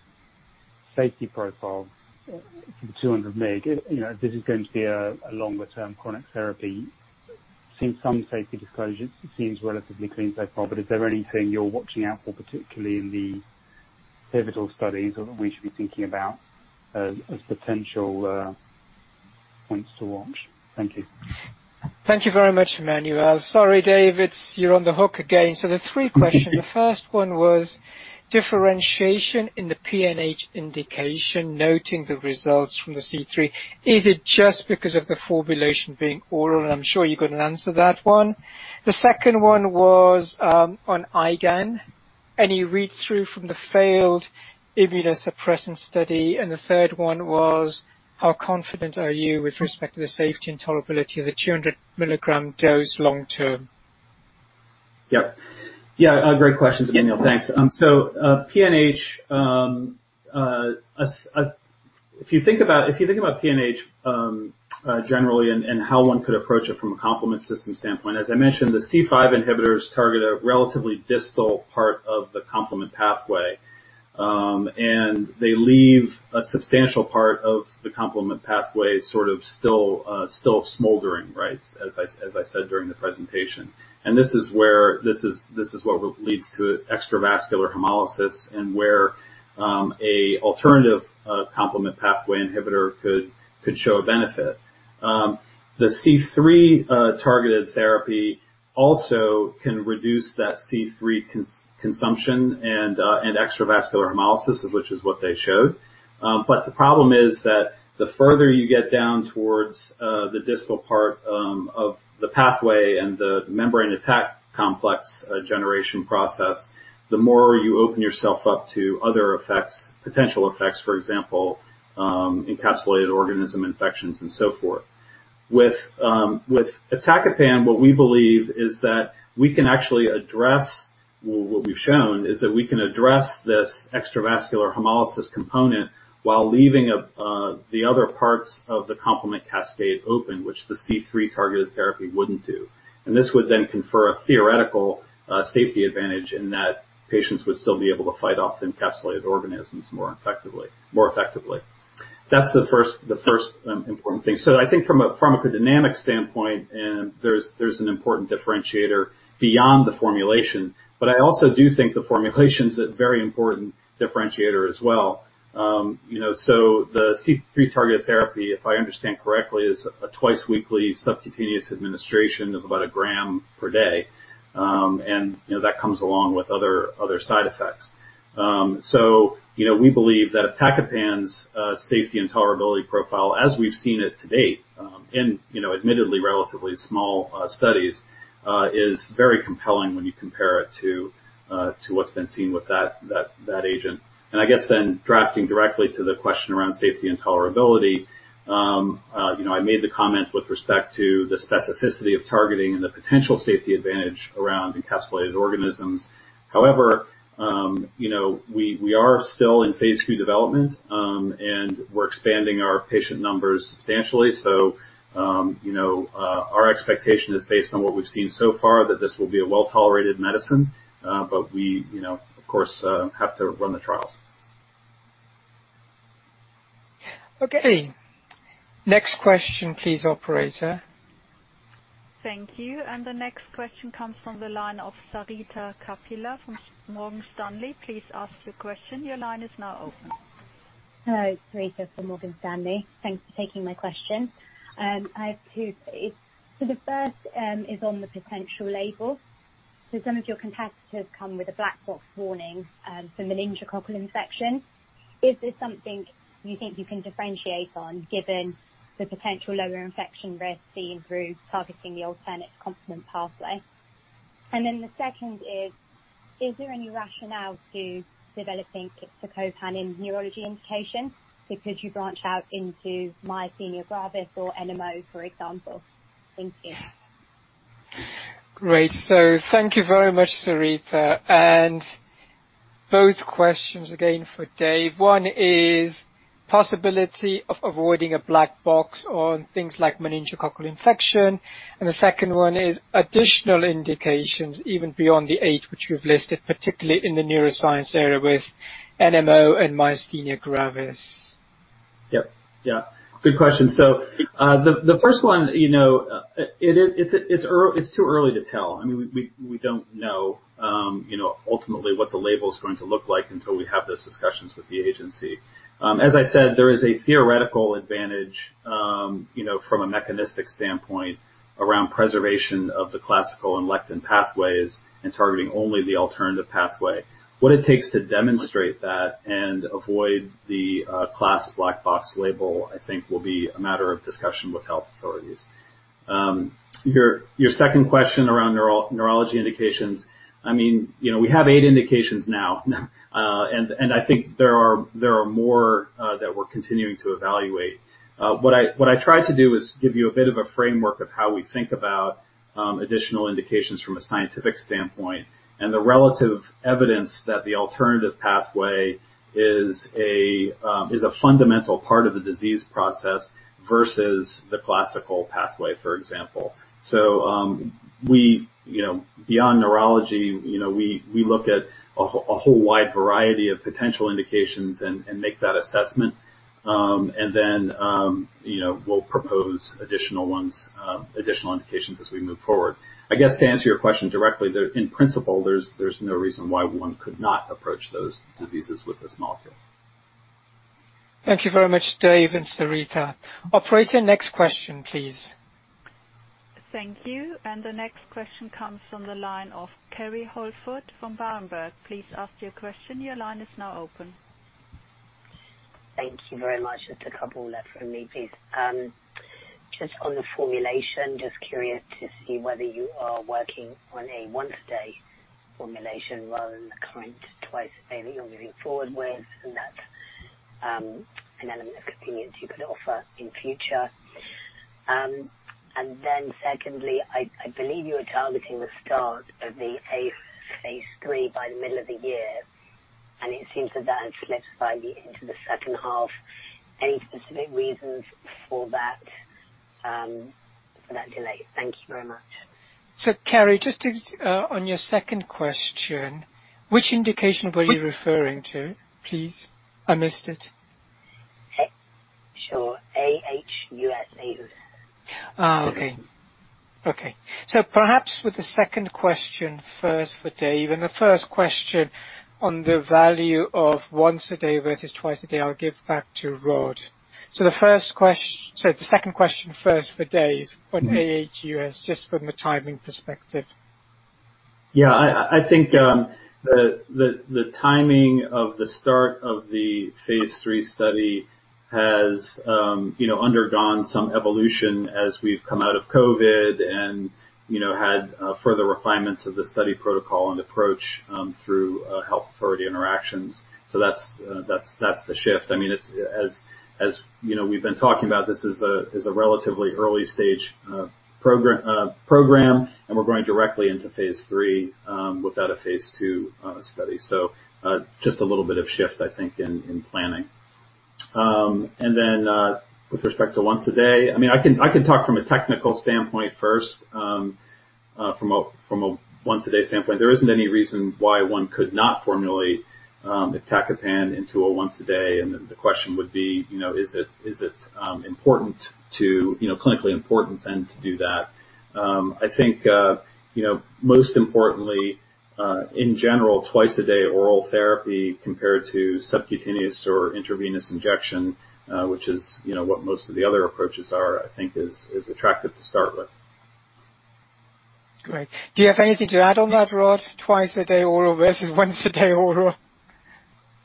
safety profile for the 200 mg. If this is going to be a longer-term chronic therapy. Seen some safety disclosures, it seems relatively clean so far, but is there anything you're watching out for, particularly in the pivotal studies that we should be thinking about as potential points to watch? Thank you. Thank you very much, Emmanuel. Sorry, David, you're on the hook again. There's three questions. The first one was differentiation in the PNH indication, noting the results from the C3. Is it just because of the formulation being oral? I'm sure you can answer that one. The second one was on IgAN. Any read-through from the failed immunosuppressive study, and the third one was how confident are you with respect to the safety and tolerability of the 200 milligram dose long-term? Great questions, Emmanuel. Thanks. PNH, if you think about PNH generally and how one could approach it from a complement system standpoint, as I mentioned, the C5 inhibitors target a relatively distal part of the complement pathway, and they leave a substantial part of the complement pathway sort of still smoldering, right, as I said during the presentation. This is what leads to extravascular hemolysis and where an alternative complement pathway inhibitor could show a benefit. The C3-targeted therapy also can reduce that C3 consumption and extravascular hemolysis, which is what they showed. The problem is that the further you get down towards the distal part of the pathway and the membrane attack complex generation process, the more you open yourself up to other effects, potential effects, for example, encapsulated organism infections and so forth. With iptacopan, what we believe is that we can actually address, well, what we've shown is that we can address this extravascular hemolysis component while leaving the other parts of the complement cascade open, which the C3-targeted therapy wouldn't do. This would confer a theoretical safety advantage in that patients would still be able to fight off encapsulated organisms more effectively. That's the first important thing. I think from a pharmacodynamic standpoint, and there's an important differentiator beyond the formulation, but I also do think the formulation is a very important differentiator as well. The C3-targeted therapy, if I understand correctly, is a twice-weekly subcutaneous administration of about 1 gram per day, and that comes along with other side effects. We believe that iptacopan's safety and tolerability profile, as we've seen it to date, in admittedly relatively small studies, is very compelling when you compare it to what's been seen with that agent. I guess then drafting directly to the question around safety and tolerability, I made the comment with respect to the specificity of targeting and the potential safety advantage around encapsulated organisms. We are still in phase II development, and we're expanding our patient numbers substantially. Our expectation is based on what we've seen so far, that this will be a well-tolerated medicine. We, of course, have to run the trials. Okay. Next question please, operator. Thank you. The next question comes from the line of Sarita Kapila from Morgan Stanley. Please ask your question. Your line is now open. Hello, Sarita from Morgan Stanley. Thanks for taking my question. I have two, please. The first is on the potential label. Some of your competitors come with a black box warning for meningococcal infection. Is this something you think you can differentiate on, given the potential lower infection risk seen through targeting the alternative complement pathway? The second is there any rationale to developing iptacopan in neurology indication? Could you branch out into myasthenia gravis or NMO, for example? Thank you. Great. Thank you very much, Sarita, and both questions, again, for Dave. One is possibility of avoiding a black box on things like meningococcal infection, and the second one is additional indications even beyond the eight which you've listed, particularly in the neuroscience area with NMO and myasthenia gravis. Yep. Yeah. Good question. The first one, it's too early to tell. We don't know ultimately what the label's going to look like until we have those discussions with the agency. As I said, there is a theoretical advantage from a mechanistic standpoint around preservation of the classical pathway and lectin pathway and targeting only the alternative pathway. What it takes to demonstrate that and avoid the class black box label, I think, will be a matter of discussion with health authorities. Your second question around neurology indications, we have eight indications now, and I think there are more that we're continuing to evaluate. What I tried to do is give you a bit of a framework of how we think about additional indications from a scientific standpoint, and the relative evidence that the alternative pathway is a fundamental part of the disease process versus the classical pathway, for example. Beyond neurology, we look at a whole wide variety of potential indications and make that assessment. Then, we'll propose additional indications as we move forward. I guess, to answer your question directly, in principle, there's no reason why one could not approach those diseases with this molecule. Thank you very much, Soergel and Sarita Kapila. Operator, next question, please. Thank you. The next question comes from the line of Kerry Holford from Berenberg. Thank you very much. Just a couple left from me, please. Just on the formulation, just curious to see whether you are working on a once-a-day formulation rather than the current twice-a-day that you're moving forward with, and that's an element of convenience you could offer in future. Secondly, I believe you were targeting the start of the phase III by the middle of the year, and it seems that has slipped slightly into the second half. Any specific reasons for that delay? Thank you very much. Kerry, on your second question, which indication were you referring to, please? I missed it. Sure. aHUS, AUD. Okay. Perhaps with the second question first for Dave, and the first question on the value of once a day versus twice a day, I'll give back to Rod. The second question first for Dave on aHUS, just from a timing perspective. I think the timing of the start of the phase III study has undergone some evolution as we've come out of COVID and had further refinements of the study protocol and approach through health authority interactions. That's the shift. As we've been talking about, this is a relatively early-stage program, and we're going directly into phase III, without a phase II study. Just a little bit of shift, I think, in planning. With respect to once a day, I can talk from a technical standpoint first. From a once-a-day standpoint, there isn't any reason why one could not formulate iptacopan into a once a day, and then the question would be, is it clinically important then to do that? I think, most importantly, in general, twice-a-day oral therapy compared to subcutaneous or intravenous injection, which is what most of the other approaches are, I think is attractive to start with. Great. Do you have anything to add on that, Rod? Twice a day oral versus once a day oral?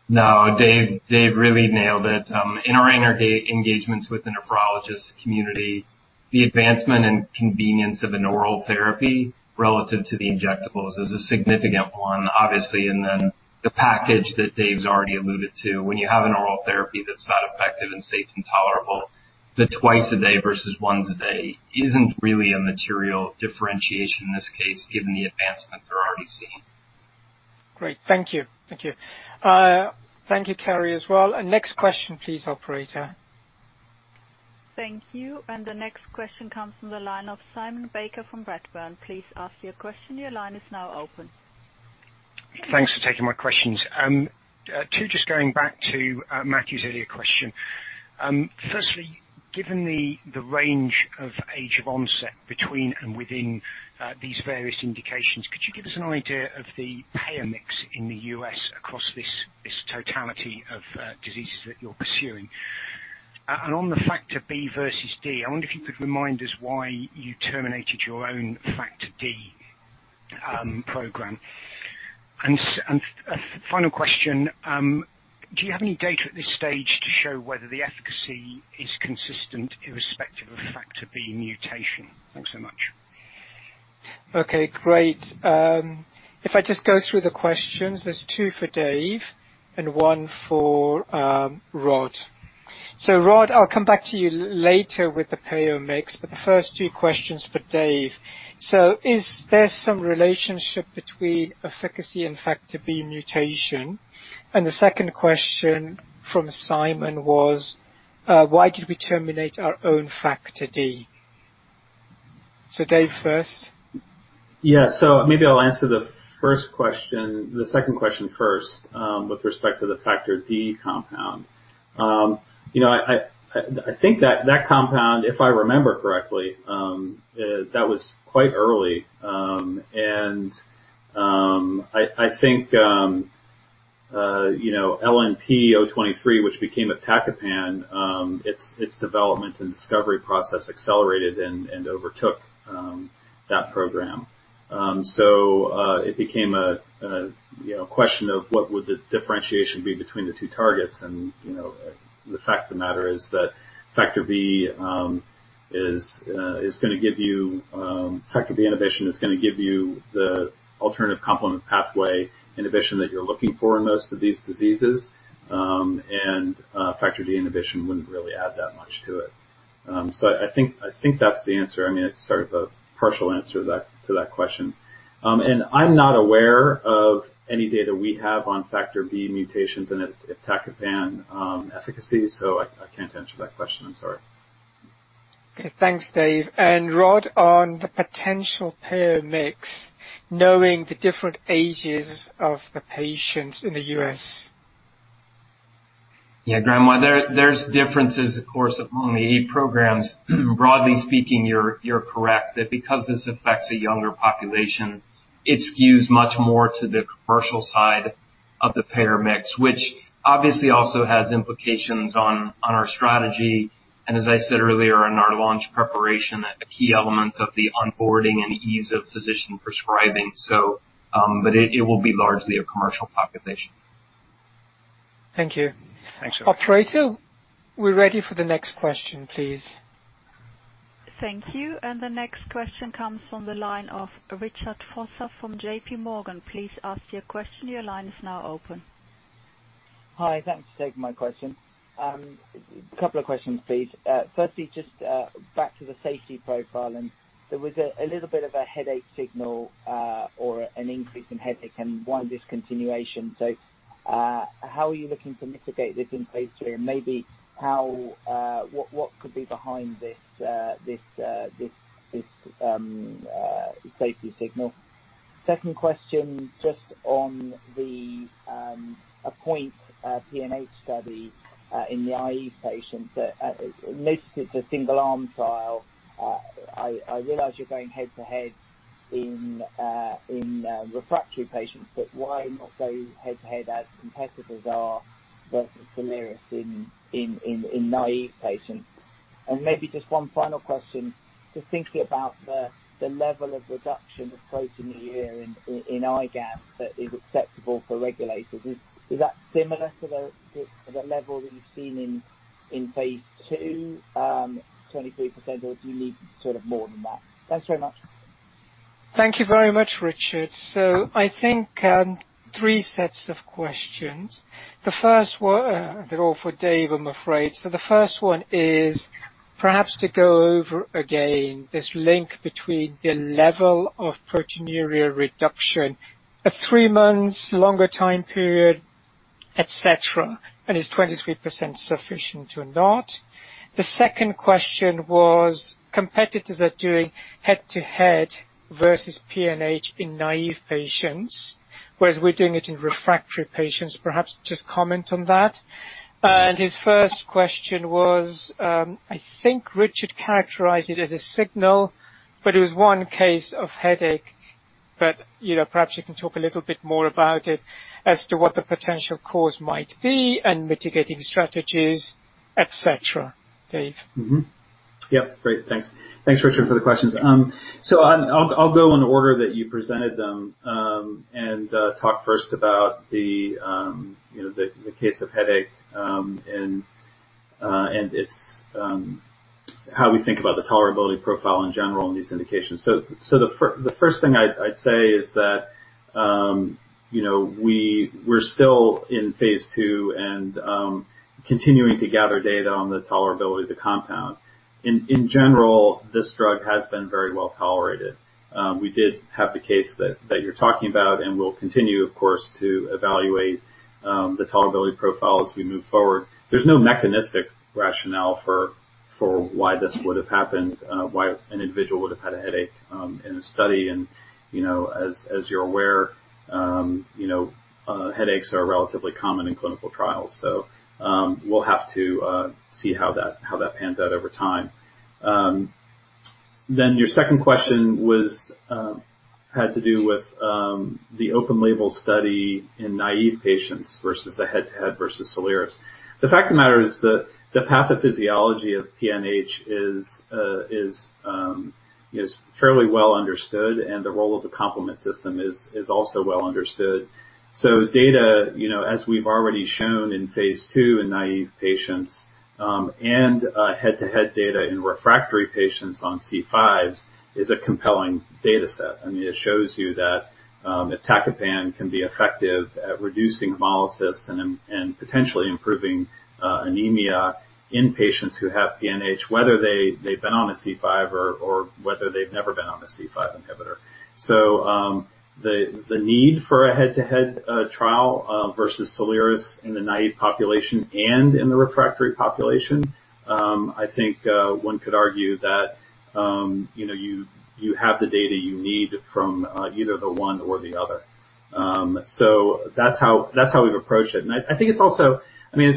No, David Soergel really nailed it. In our engagements with the nephrologist community, the advancement and convenience of an oral therapy relative to the injectables is a significant one, obviously. The package that David Soergel's already alluded to, when you have an oral therapy that's not effective and safe and tolerable, the twice a day versus once a day isn't really a material differentiation in this case, given the advancement they're already seeing. Great. Thank you. Thank you, Kerry, as well. Next question, please, operator. Thank you. The next question comes from the line of Simon Baker from Redburn. Please ask your question. Your line is now open. Thanks for taking my questions. Two, just going back to Matthew's earlier question. Firstly, given the range of age of onset between and within these various indications, could you give us an idea of the payer mix in the U.S. across this totality of diseases that you're pursuing? On the Factor B versus D, I wonder if you could remind us why you terminated your own Factor D program. Final question, do you have any data at this stage to show whether the efficacy is consistent irrespective of Factor B mutation? Thanks so much. Okay, great. If I just go through the questions, there's two for David Soergel and one for Rod Wooten. Rod Wooten, I'll come back to you later with the payer mix, but the first two questions for David Soergel. Is there some relationship between efficacy and Factor B mutation? The second question from Simon Baker was, "Why did we terminate our own Factor D?" David Soergel first. Maybe I'll answer the second question first, with respect to the Factor D compound. I think that compound, if I remember correctly, that was quite early. I think LNP023, which became iptacopan, its development and discovery process accelerated and overtook that program. It became a question of what would the differentiation be between the two targets and, the fact of the matter is that Factor B inhibition is going to give you the alternative complement pathway inhibition that you're looking for in most of these diseases. Factor D inhibition wouldn't really add that much to it. I think that's the answer. It's sort of a partial answer to that question. I'm not aware of any data we have on Factor B mutations and iptacopan efficacy, so I can't answer that question. I'm sorry. Okay. Thanks, Dave. Rod, on the potential payer mix, knowing the different ages of the patients in the U.S. Yeah, Graham, there's differences, of course, among the eight programs. Broadly speaking, you're correct that because this affects a younger population, it skews much more to the commercial side of the payer mix, which obviously also has implications on our strategy. As I said earlier in our launch preparation, a key element of the onboarding and ease of physician prescribing, but it will be largely a commercial population. Thank you. Thanks. Operator, we're ready for the next question, please. Thank you. The next question comes from the line of Richard Vosser from JP Morgan. Please ask your question. Your line is now open. Hi, thanks for taking my question. Couple of questions, please. Firstly, just back to the safety profile, there was a little bit of a headache signal or an increase in headache and one discontinuation. How are you looking to mitigate this in phase III? Maybe what could be behind this safety signal? Second question, just on the APPOINT-PNH PNH study, in the naive patients, notice it's a single arm trial. I realize you're going head-to-head in refractory patients, but why not go head-to-head as competitors are versus Soliris in naive patients? Maybe just one final question, just thinking about the level of reduction of protein in a year in IgA that is acceptable for regulators, is that similar to the level that you've seen in phase II, 23%, or do you need sort of more than that? Thanks very much. Thank you very much, Richard. I think, three sets of questions. They're all for Dave, I'm afraid. The first one is perhaps to go over again this link between the level of proteinuria reduction at three months, longer time period, et cetera, and is 23% sufficient or not? The second question was, competitors are doing head-to-head versus PNH in naive patients, whereas we're doing it in refractory patients. Perhaps just comment on that. His first question was, I think Richard characterized it as a signal, but it was one case of headache. Perhaps you can talk a little bit more about it as to what the potential cause might be and mitigating strategies, et cetera, Dave. Mm-hmm. Yep. Great. Thanks. Thanks, Richard, for the questions. I'll go in the order that you presented them, and talk first about the case of headache, and how we think about the tolerability profile in general in these indications. The first thing I'd say is that we're still in phase II and continuing to gather data on the tolerability of the compound. In general, this drug has been very well tolerated. We did have the case that you're talking about, and we'll continue, of course, to evaluate the tolerability profile as we move forward. There's no mechanistic rationale for why this would have happened, why an individual would have had a headache in a study. As you're aware, headaches are relatively common in clinical trials. We'll have to see how that pans out over time. Your second question had to do with the open label study in naive patients versus a head-to-head versus Soliris. The fact of the matter is that the pathophysiology of PNH is fairly well understood, and the role of the complement system is also well understood. Data, as we've already shown in phase II in naive patients, and head-to-head data in refractory patients on C5s is a compelling data set. I mean, it shows you that iptacopan can be effective at reducing hemolysis and potentially improving anemia in patients who have PNH, whether they've been on a C5 or whether they've never been on a C5 inhibitor. The need for a head-to-head trial versus Soliris in the naive population and in the refractory population, I think one could argue that you have the data you need from either the one or the other. That's how we've approached it. I think it's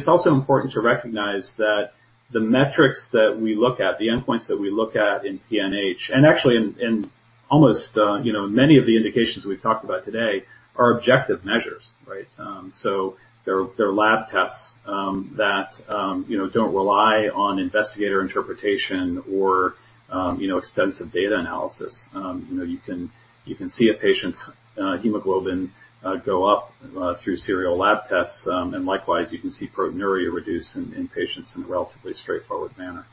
also important to recognize that the metrics that we look at, the endpoints that we look at in PNH, and actually in many of the indications we've talked about today, are objective measures, right? They're lab tests that don't rely on investigator interpretation or extensive data analysis. You can see a patient's hemoglobin go up through serial lab tests. Likewise, you can see proteinuria reduce in patients in a relatively straightforward manner.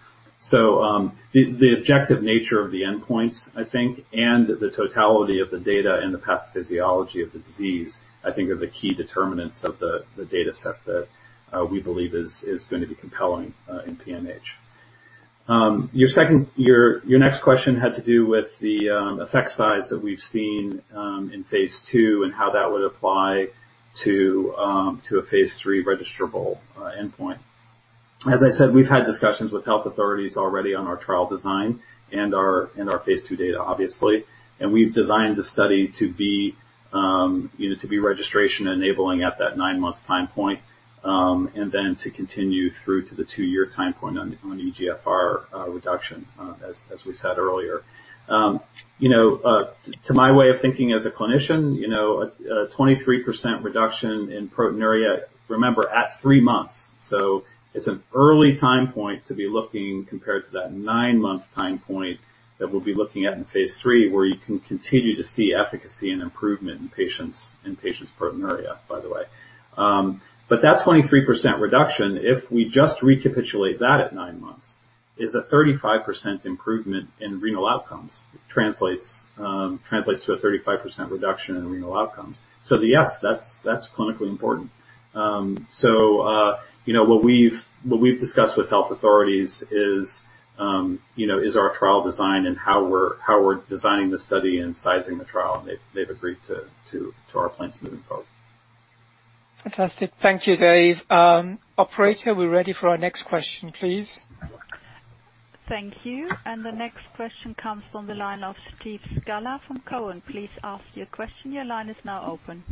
The objective nature of the endpoints, I think, and the totality of the data and the pathophysiology of the disease, I think are the key determinants of the data set that we believe is going to be compelling in PNH. Your next question had to do with the effect size that we've seen in phase II and how that would apply to a phase III registrable endpoint. As I said, we've had discussions with health authorities already on our trial design and our phase II data, obviously. We've designed the study to be registration enabling at that nine-month time point, and then to continue through to the two-year time point on eGFR reduction, as we said earlier. To my way of thinking as a clinician, a 23% reduction in proteinuria, remember at three months, so it's an early time point to be looking compared to that nine-month time point that we'll be looking at in phase III, where you can continue to see efficacy and improvement in patients' proteinuria, by the way. That 23% reduction, if we just recapitulate that at nine months, is a 35% improvement in renal outcomes. It translates to a 35% reduction in renal outcomes. Yes, that's clinically important. What we've discussed with health authorities is our trial design and how we're designing the study and sizing the trial, and they've agreed to our plans moving forward. Fantastic. Thank you, David Soergel. Operator, we're ready for our next question, please. Thank you. The next question comes from the line of Steve Scala from Cowen. Please ask your question. Your line is now open.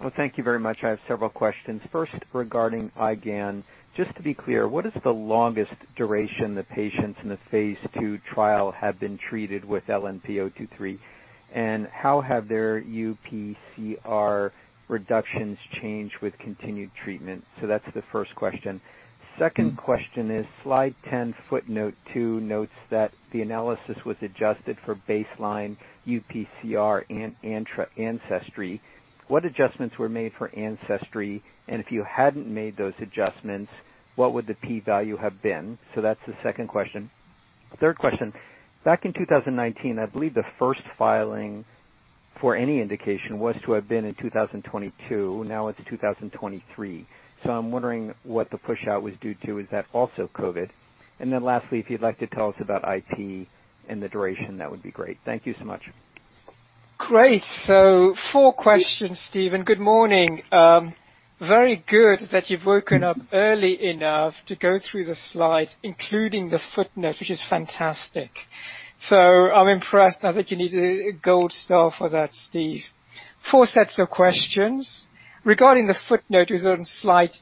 Well, thank you very much. I have several questions. First, regarding IgAN. Just to be clear, what is the longest duration the patients in the phase II trial have been treated with LNP023? How have their uPCR reductions changed with continued treatment? That's the first question. Second question is, slide 10, footnote two notes that the analysis was adjusted for baseline uPCR and ancestry. What adjustments were made for ancestry? If you hadn't made those adjustments, what would the P value have been? That's the second question. Third question. Back in 2019, I believe the first filing for any indication was to have been in 2022. Now it's 2023. I'm wondering what the push-out was due to. Is that also COVID? Lastly, if you'd like to tell us about IP and the duration, that would be great. Thank you so much. Great. Four questions, Steve, and good morning. Very good that you've woken up early enough to go through the slides, including the footnote, which is fantastic. I'm impressed. I think you need a gold star for that, Steve. Four sets of questions. Regarding the footnote, it was on slide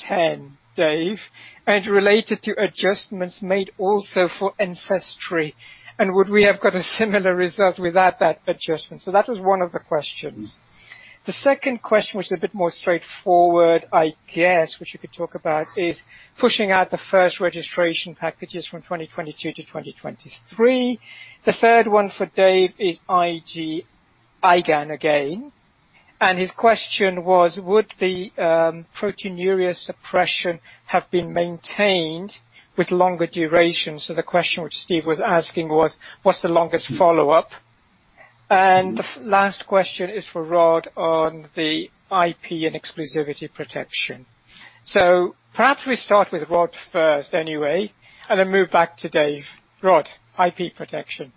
10, Dave, and related to adjustments made also for ancestry, and would we have got a similar result without that adjustment? That was one of the questions. The second question was a bit more straightforward, I guess, which we could talk about, is pushing out the first registration packages from 2022 to 2023. The third one for Dave is IgAN again. His question was, would the proteinuria suppression have been maintained with longer duration? The question which Steve was asking was, what's the longest follow-up? The last question is for Rod on the IP and exclusivity protection. Perhaps we start with Rod first anyway, and then move back to Dave. Rod, IP protection.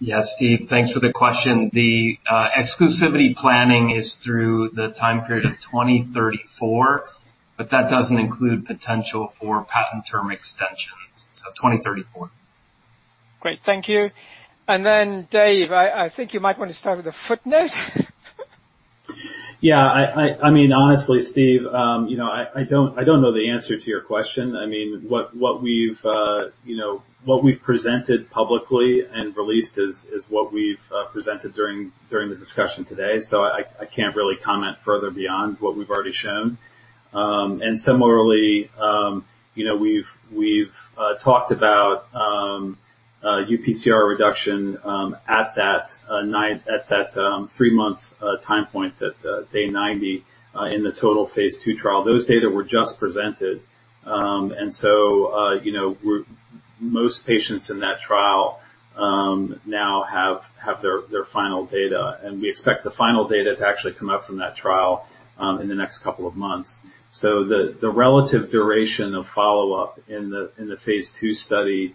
Yes, Steve, thanks for the question. The exclusivity planning is through the time period of 2034, but that doesn't include potential for patent term extensions. 2034. Great. Thank you. Dave, I think you might want to start with a footnote. Yeah. Honestly, Steve, I don't know the answer to your question. What we've presented publicly and released is what we've presented during the discussion today, so I can't really comment further beyond what we've already shown. Similarly, we've talked about UPCR reduction at that three months time point, at day 90, in the total phase II trial. Those data were just presented. Most patients in that trial now have their final data, and we expect the final data to actually come out from that trial in the next couple of months. The relative duration of follow-up in the phase II study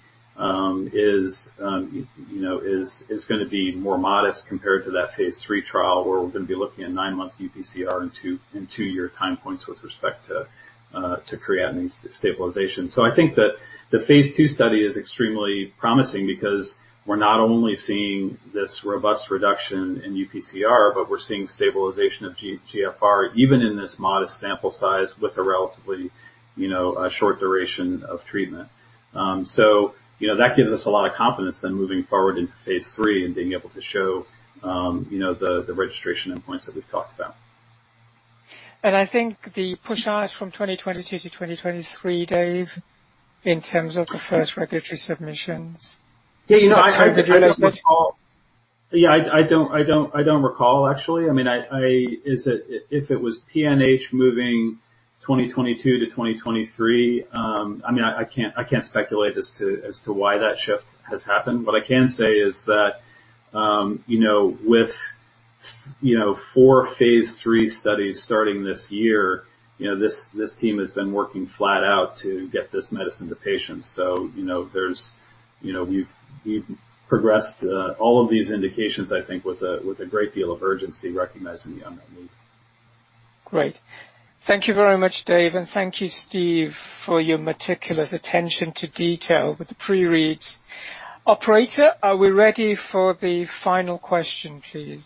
is going to be more modest compared to that phase III trial, where we're going to be looking at nine months UPCR and 2-year time points with respect to creatinine stabilization. I think that the phase II study is extremely promising because we're not only seeing this robust reduction in UPCR, but we're seeing stabilization of GFR, even in this modest sample size with a relatively short duration of treatment. That gives us a lot of confidence then moving forward into phase III and being able to show the registration endpoints that we've talked about. I think the push-outs from 2022 to 2023, Dave, in terms of the first regulatory submissions. Yeah. I don't recall, actually. If it was PNH moving 2022 to 2023, I can't speculate as to why that shift has happened. What I can say is that, with four Phase III studies starting this year, this team has been working flat out to get this medicine to patients. We've progressed all of these indications, I think, with a great deal of urgency, recognizing the unmet need. Great. Thank you very much, Dave, and thank you, Steve, for your meticulous attention to detail with the pre-reads. Operator, are we ready for the final question, please?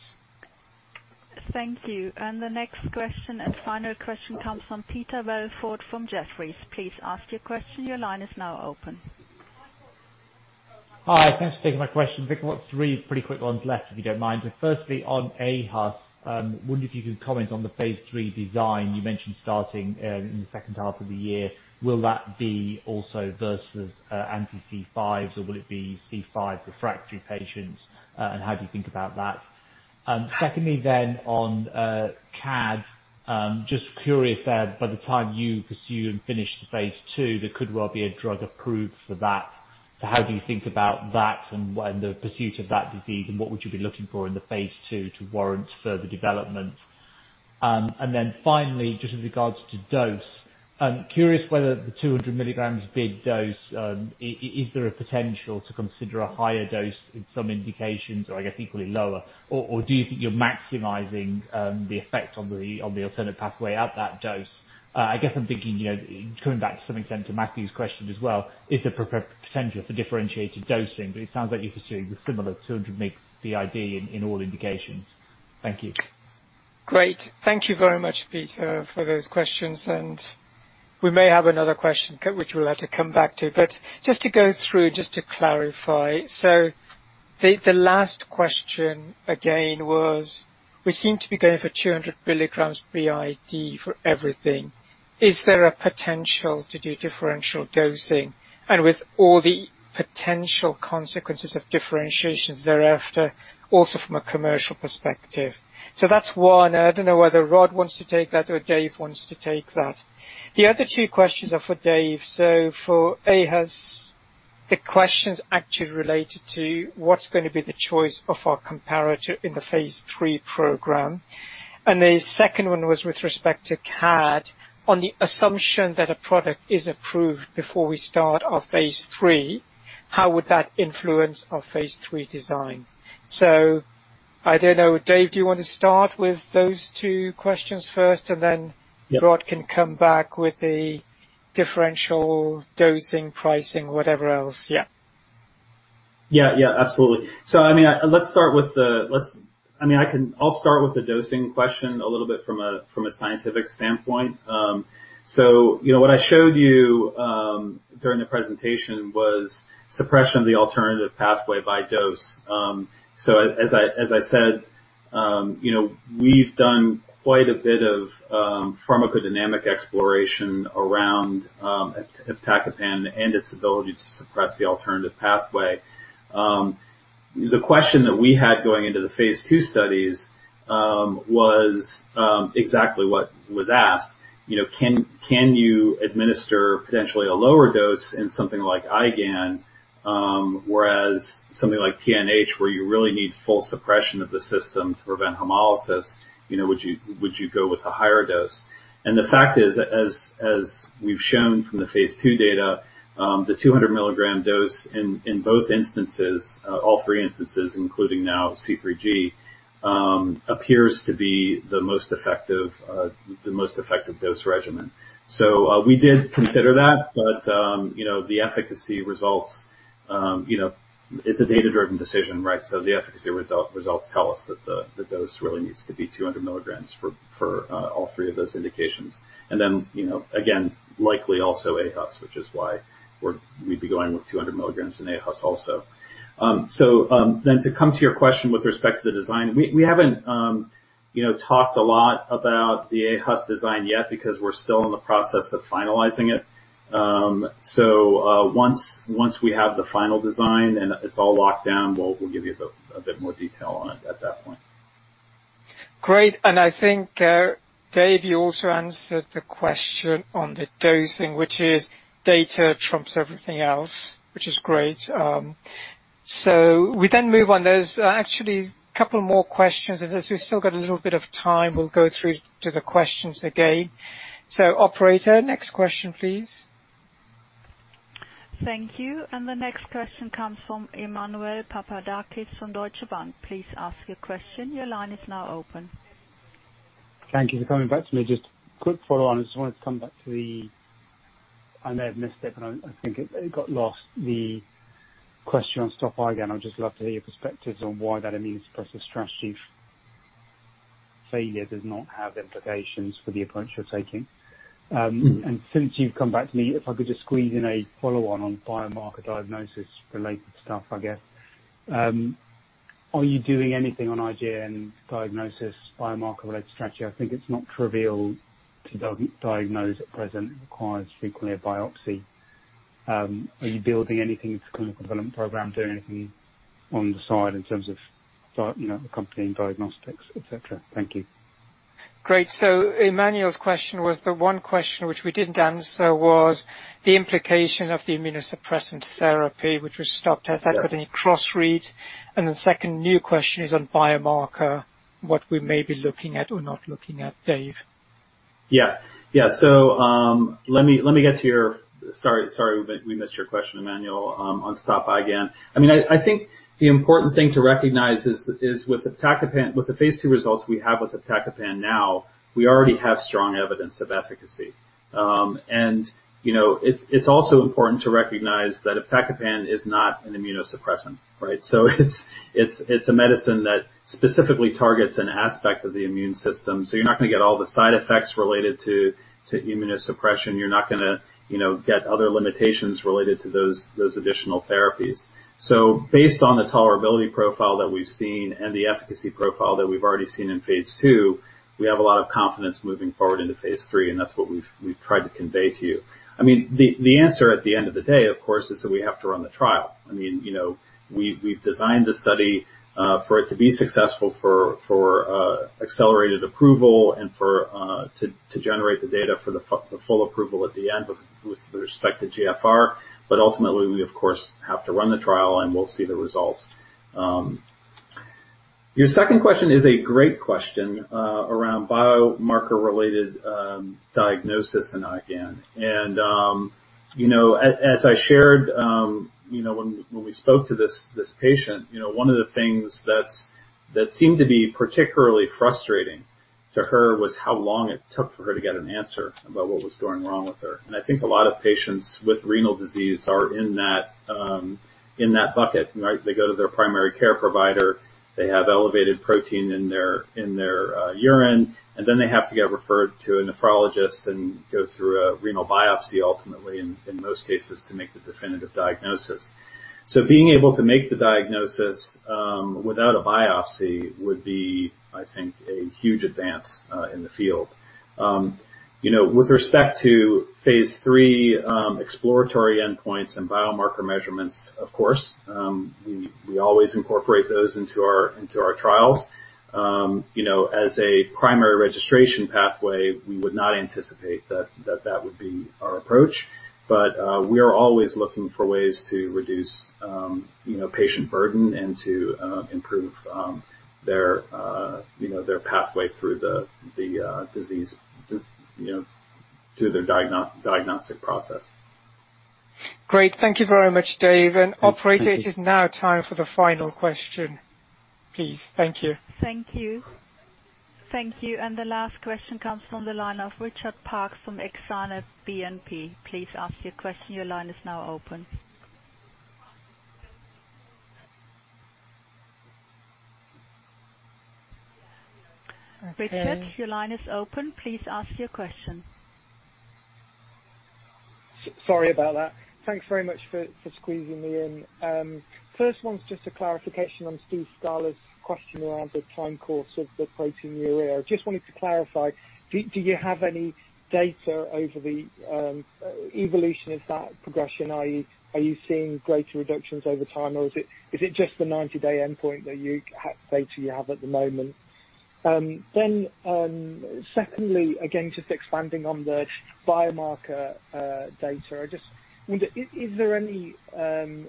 Thank you. The next question and final question comes from Peter Welford from Jefferies. Please ask your question. Your line is now open. Hi. Thanks for taking my question. I've got three pretty quick ones left, if you don't mind. Firstly, on aHUS, I wonder if you can comment on the phase III design you mentioned starting in the second half of the year. Will that be also versus anti-C5s, or will it be C5 for fracture patients? How do you think about that? Secondly, on CAD, just curious there, by the time you pursue and finish the phase II, there could well be a drug approved for that. How do you think about that and the pursuit of that disease, what would you be looking for in the phase II to warrant further development? Finally, just in regards to dose, I'm curious whether the 200 milligrams BID dose, is there a potential to consider a higher dose in some indications, or equally lower? Do you think you're maximizing the effect on the alternative pathway at that dose? I guess I'm thinking, coming back to an extent to Matthew's question as well, is there potential for differentiated dosing? It sounds like you're pursuing the similar 200 mg BID in all indications. Thank you. Great. Thank you very much, Peter, for those questions. We may have another question which we'll have to come back to. Just to go through and just to clarify, the last question again was, we seem to be going for 200 mg BID for everything. Is there a potential to do differential dosing and with all the potential consequences of differentiations thereafter, also from a commercial perspective? That's one. I don't know whether Rod wants to take that or Dave wants to take that. The other two questions are for Dave. For aHUS, the question's actually related to what's going to be the choice of our comparator in the phase III program. The second one was with respect to CAD. On the assumption that a product is approved before we start our phase III, how would that influence our phase III design? I don't know. David Soergel, do you want to start with those two questions first? Yeah. Rod can come back with the differential dosing, pricing, whatever else. Yeah. Yeah, absolutely. I'll start with the dosing question a little bit from a scientific standpoint. What I showed you during the presentation was suppression of the alternative pathway by dose. As I said, we've done quite a bit of pharmacodynamic exploration around iptacopan and its ability to suppress the alternative pathway. The question that we had going into the phase II studies was exactly what was asked, can you administer potentially a lower dose in something like IgAN? Whereas something like PNH, where you really need full suppression of the system to prevent hemolysis, would you go with a higher dose? The fact is, as we've shown from the phase II data, the 200 mg dose in all three instances, including now C3G, appears to be the most effective dose regimen. We did consider that, but the efficacy results, it's a data-driven decision, right. The efficacy results tell us that the dose really needs to be 200 milligrams for all three of those indications. Then, again, likely also aHUS, which is why we'd be going with 200 milligrams in aHUS also. Then to come to your question with respect to the design, we haven't talked a lot about the aHUS design yet because we're still in the process of finalizing it. Once we have the final design and it's all locked down, we'll give you a bit more detail on it at that point. Great. I think, David, you also answered the question on the dosing, which is data trumps everything else, which is great. We then move on. There's actually a couple more questions, as we've still got a little bit of time, we'll go through to the questions again. Operator, next question, please. Thank you. The next question comes from Emmanuel Papadakis from Deutsche Bank. Please ask your question. Your line is now open. Thank you for coming back to me. Just a quick follow-on. I just wanted to come back to the, I may have missed it, but I think it got lost, the question on STOP-IgAN. I'd just love to hear your perspectives on why that immunosuppressive strategy failure does not have implications for the approach you're taking. Since you've come back to me, if I could just squeeze in a follow-on on biomarker diagnosis related stuff, I guess. Are you doing anything on IgAN diagnosis, biomarker-led strategy? I think it's not trivial to diagnose at present, it requires frequently a biopsy. Are you building anything into clinical development program, doing anything on the side in terms of the company diagnostics, et cetera? Thank you. Great. Emmanuel's question was, the one question which we didn't answer was the implication of the immunosuppressant therapy, which was stopped, has that got any cross reads? The second new question is on biomarker, what we may be looking at or not looking at, Dave? Let me get to your Sorry, we missed your question, Emmanuel, on STOP-IgAN. I think the important thing to recognize is with iptacopan, with the phase II results we have with iptacopan now, we already have strong evidence of efficacy. It's also important to recognize that iptacopan is not an immunosuppressant, right? It's a medicine that specifically targets an aspect of the immune system. You're not going to get all the side effects related to immunosuppression. You're not going to get other limitations related to those additional therapies. Based on the tolerability profile that we've seen and the efficacy profile that we've already seen in phase II, we have a lot of confidence moving forward into phase III, and that's what we've tried to convey to you. The answer at the end of the day, of course, is that we have to run the trial. We've designed the study for it to be successful for accelerated approval and to generate the data for the full approval at the end with respect to GFR. Ultimately, we, of course, have to run the trial, and we'll see the results. Your second question is a great question around biomarker-related diagnosis in IgAN. As I shared when we spoke to this patient, one of the things that seemed to be particularly frustrating to her was how long it took for her to get an answer about what was going wrong with her. I think a lot of patients with renal disease are in that bucket, right? They go to their primary care provider, they have elevated protein in their urine, and then they have to get referred to a nephrologist and go through a renal biopsy ultimately in most cases to make a definitive diagnosis. Being able to make the diagnosis without a biopsy would be, I think, a huge advance in the field. With respect to phase III exploratory endpoints and biomarker measurements, of course, we always incorporate those into our trials. As a primary registration pathway, we would not anticipate that that would be our approach. We are always looking for ways to reduce patient burden and to improve their pathway through the disease, through their diagnostic process. Great. Thank you very much, David Soergel. Operator, it is now time for the final question, please. Thank you. Thank you. Thank you. The last question comes from the line of Richard Parkes from Exane BNP. Please ask your question. Your line is now open. Richard, your line is open. Please ask your question. Sorry about that. Thanks very much for squeezing me in. First one's just a clarification on Steve Scala's question around the time course of the proteinuria. I just wanted to clarify, do you have any data over the evolution of that progression, i.e., are you seeing greater reductions over time or is it just the 90-day endpoint that data you have at the moment? Secondly, again, just expanding on the biomarker data. Is there any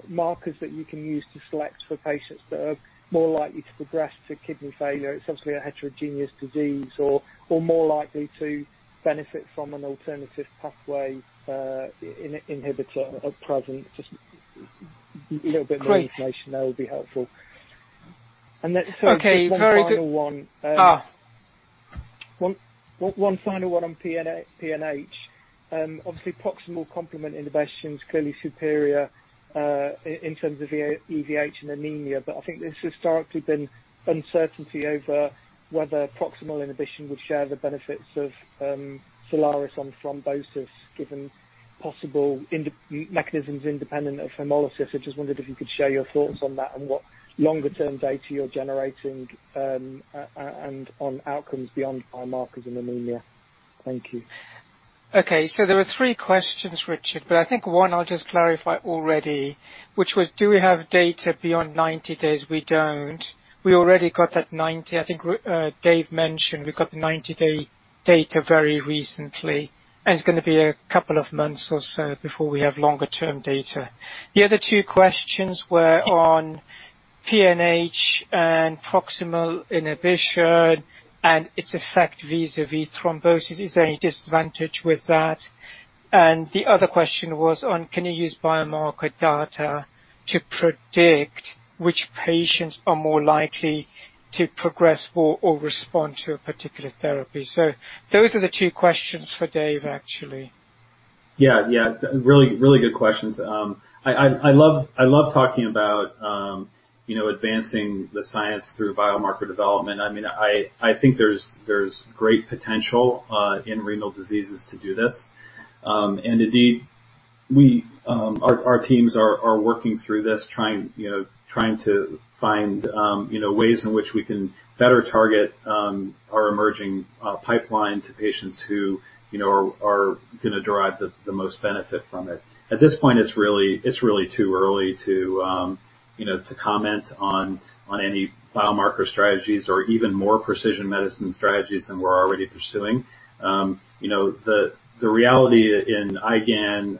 markers that you can use to select for patients that are more likely to progress to kidney failure, it's obviously a heterogeneous disease, or more likely to benefit from an alternative pathway inhibitor at present? Just a little bit of information there would be helpful. Okay, very good. 1 final 1. One final one on PNH. Obviously, proximal complement inhibition is clearly superior, in terms of EVH and anemia, but I think there's historically been uncertainty over whether proximal inhibition will share the benefits of Soliris on thrombosis, given possible mechanisms independent of hemolysis. I just wondered if you could share your thoughts on that and what longer-term data you're generating, and on outcomes beyond biomarkers and anemia. Thank you. Okay. There were three questions, Richard, but I think one I'll just clarify already, which was do we have data beyond 90 days? We don't. We already got that 90. I think Dave mentioned we got 90-day data very recently, and it's going to be a couple of months or so before we have longer-term data. The other two questions were on PNH and proximal inhibition and its effect vis-à-vis thrombosis. Is there any disadvantage with that? The other question was on can you use biomarker data to predict which patients are more likely to progress or respond to a particular therapy. Those are the two questions for Dave, actually. Yeah. Really good questions. I love talking about advancing the science through biomarker development. I think there's great potential in renal diseases to do this. Indeed, our teams are working through this, trying to find ways in which we can better target our emerging pipeline to patients who are going to derive the most benefit from it. At this point, it's really too early to comment on any biomarker strategies or even more precision medicine strategies than we're already pursuing. The reality in IgAN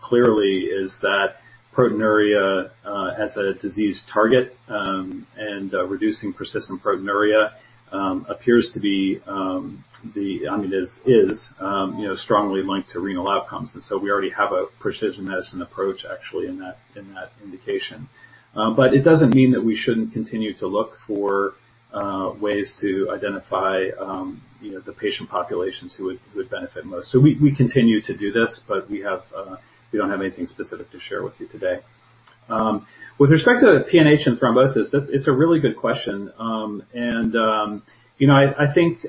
clearly is that proteinuria has a disease target, and reducing persistent proteinuria appears to be, I mean, is strongly linked to renal outcomes. We already have a precision medicine approach actually in that indication. It doesn't mean that we shouldn't continue to look for ways to identify the patient populations who would benefit most. We continue to do this, but we don't have anything specific to share with you today. With respect to the PNH and thrombosis, it's a really good question. I think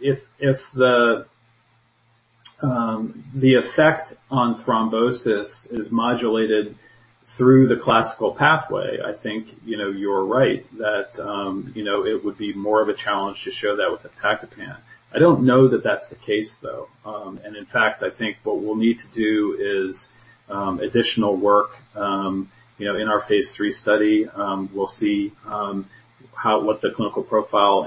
if the effect on thrombosis is modulated through the classical pathway, I think you're right that it would be more of a challenge to show that with iptacopan. I don't know that that's the case, though. In fact, I think what we'll need to do is additional work. In our phase III study, we'll see what the clinical profile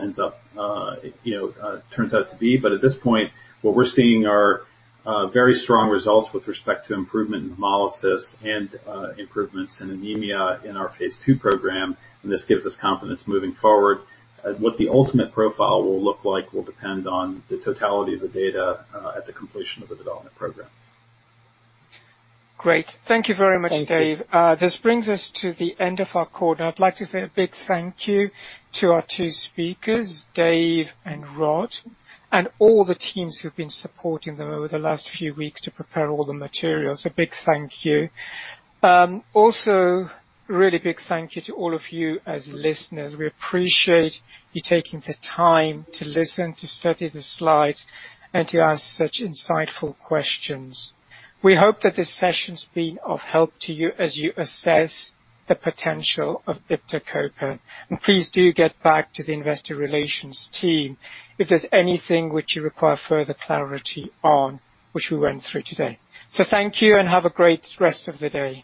turns out to be. At this point, what we're seeing are very strong results with respect to improvement in hemolysis and improvements in anemia in our phase II program, and this gives us confidence moving forward. What the ultimate profile will look like will depend on the totality of the data at the completion of the development program. Great. Thank you very much, Dave. Thank you. This brings us to the end of our call. I'd like to say a big thank you to our two speakers, Dave and Rod, and all the teams who've been supporting them over the last few weeks to prepare all the materials. A big thank you. A really big thank you to all of you as listeners. We appreciate you taking the time to listen, to study the slides, and to ask such insightful questions. We hope that this session's been of help to you as you assess the potential of iptacopan. Please do get back to the investor relations team if there's anything which you require further clarity on, which we went through today. Thank you and have a great rest of the day.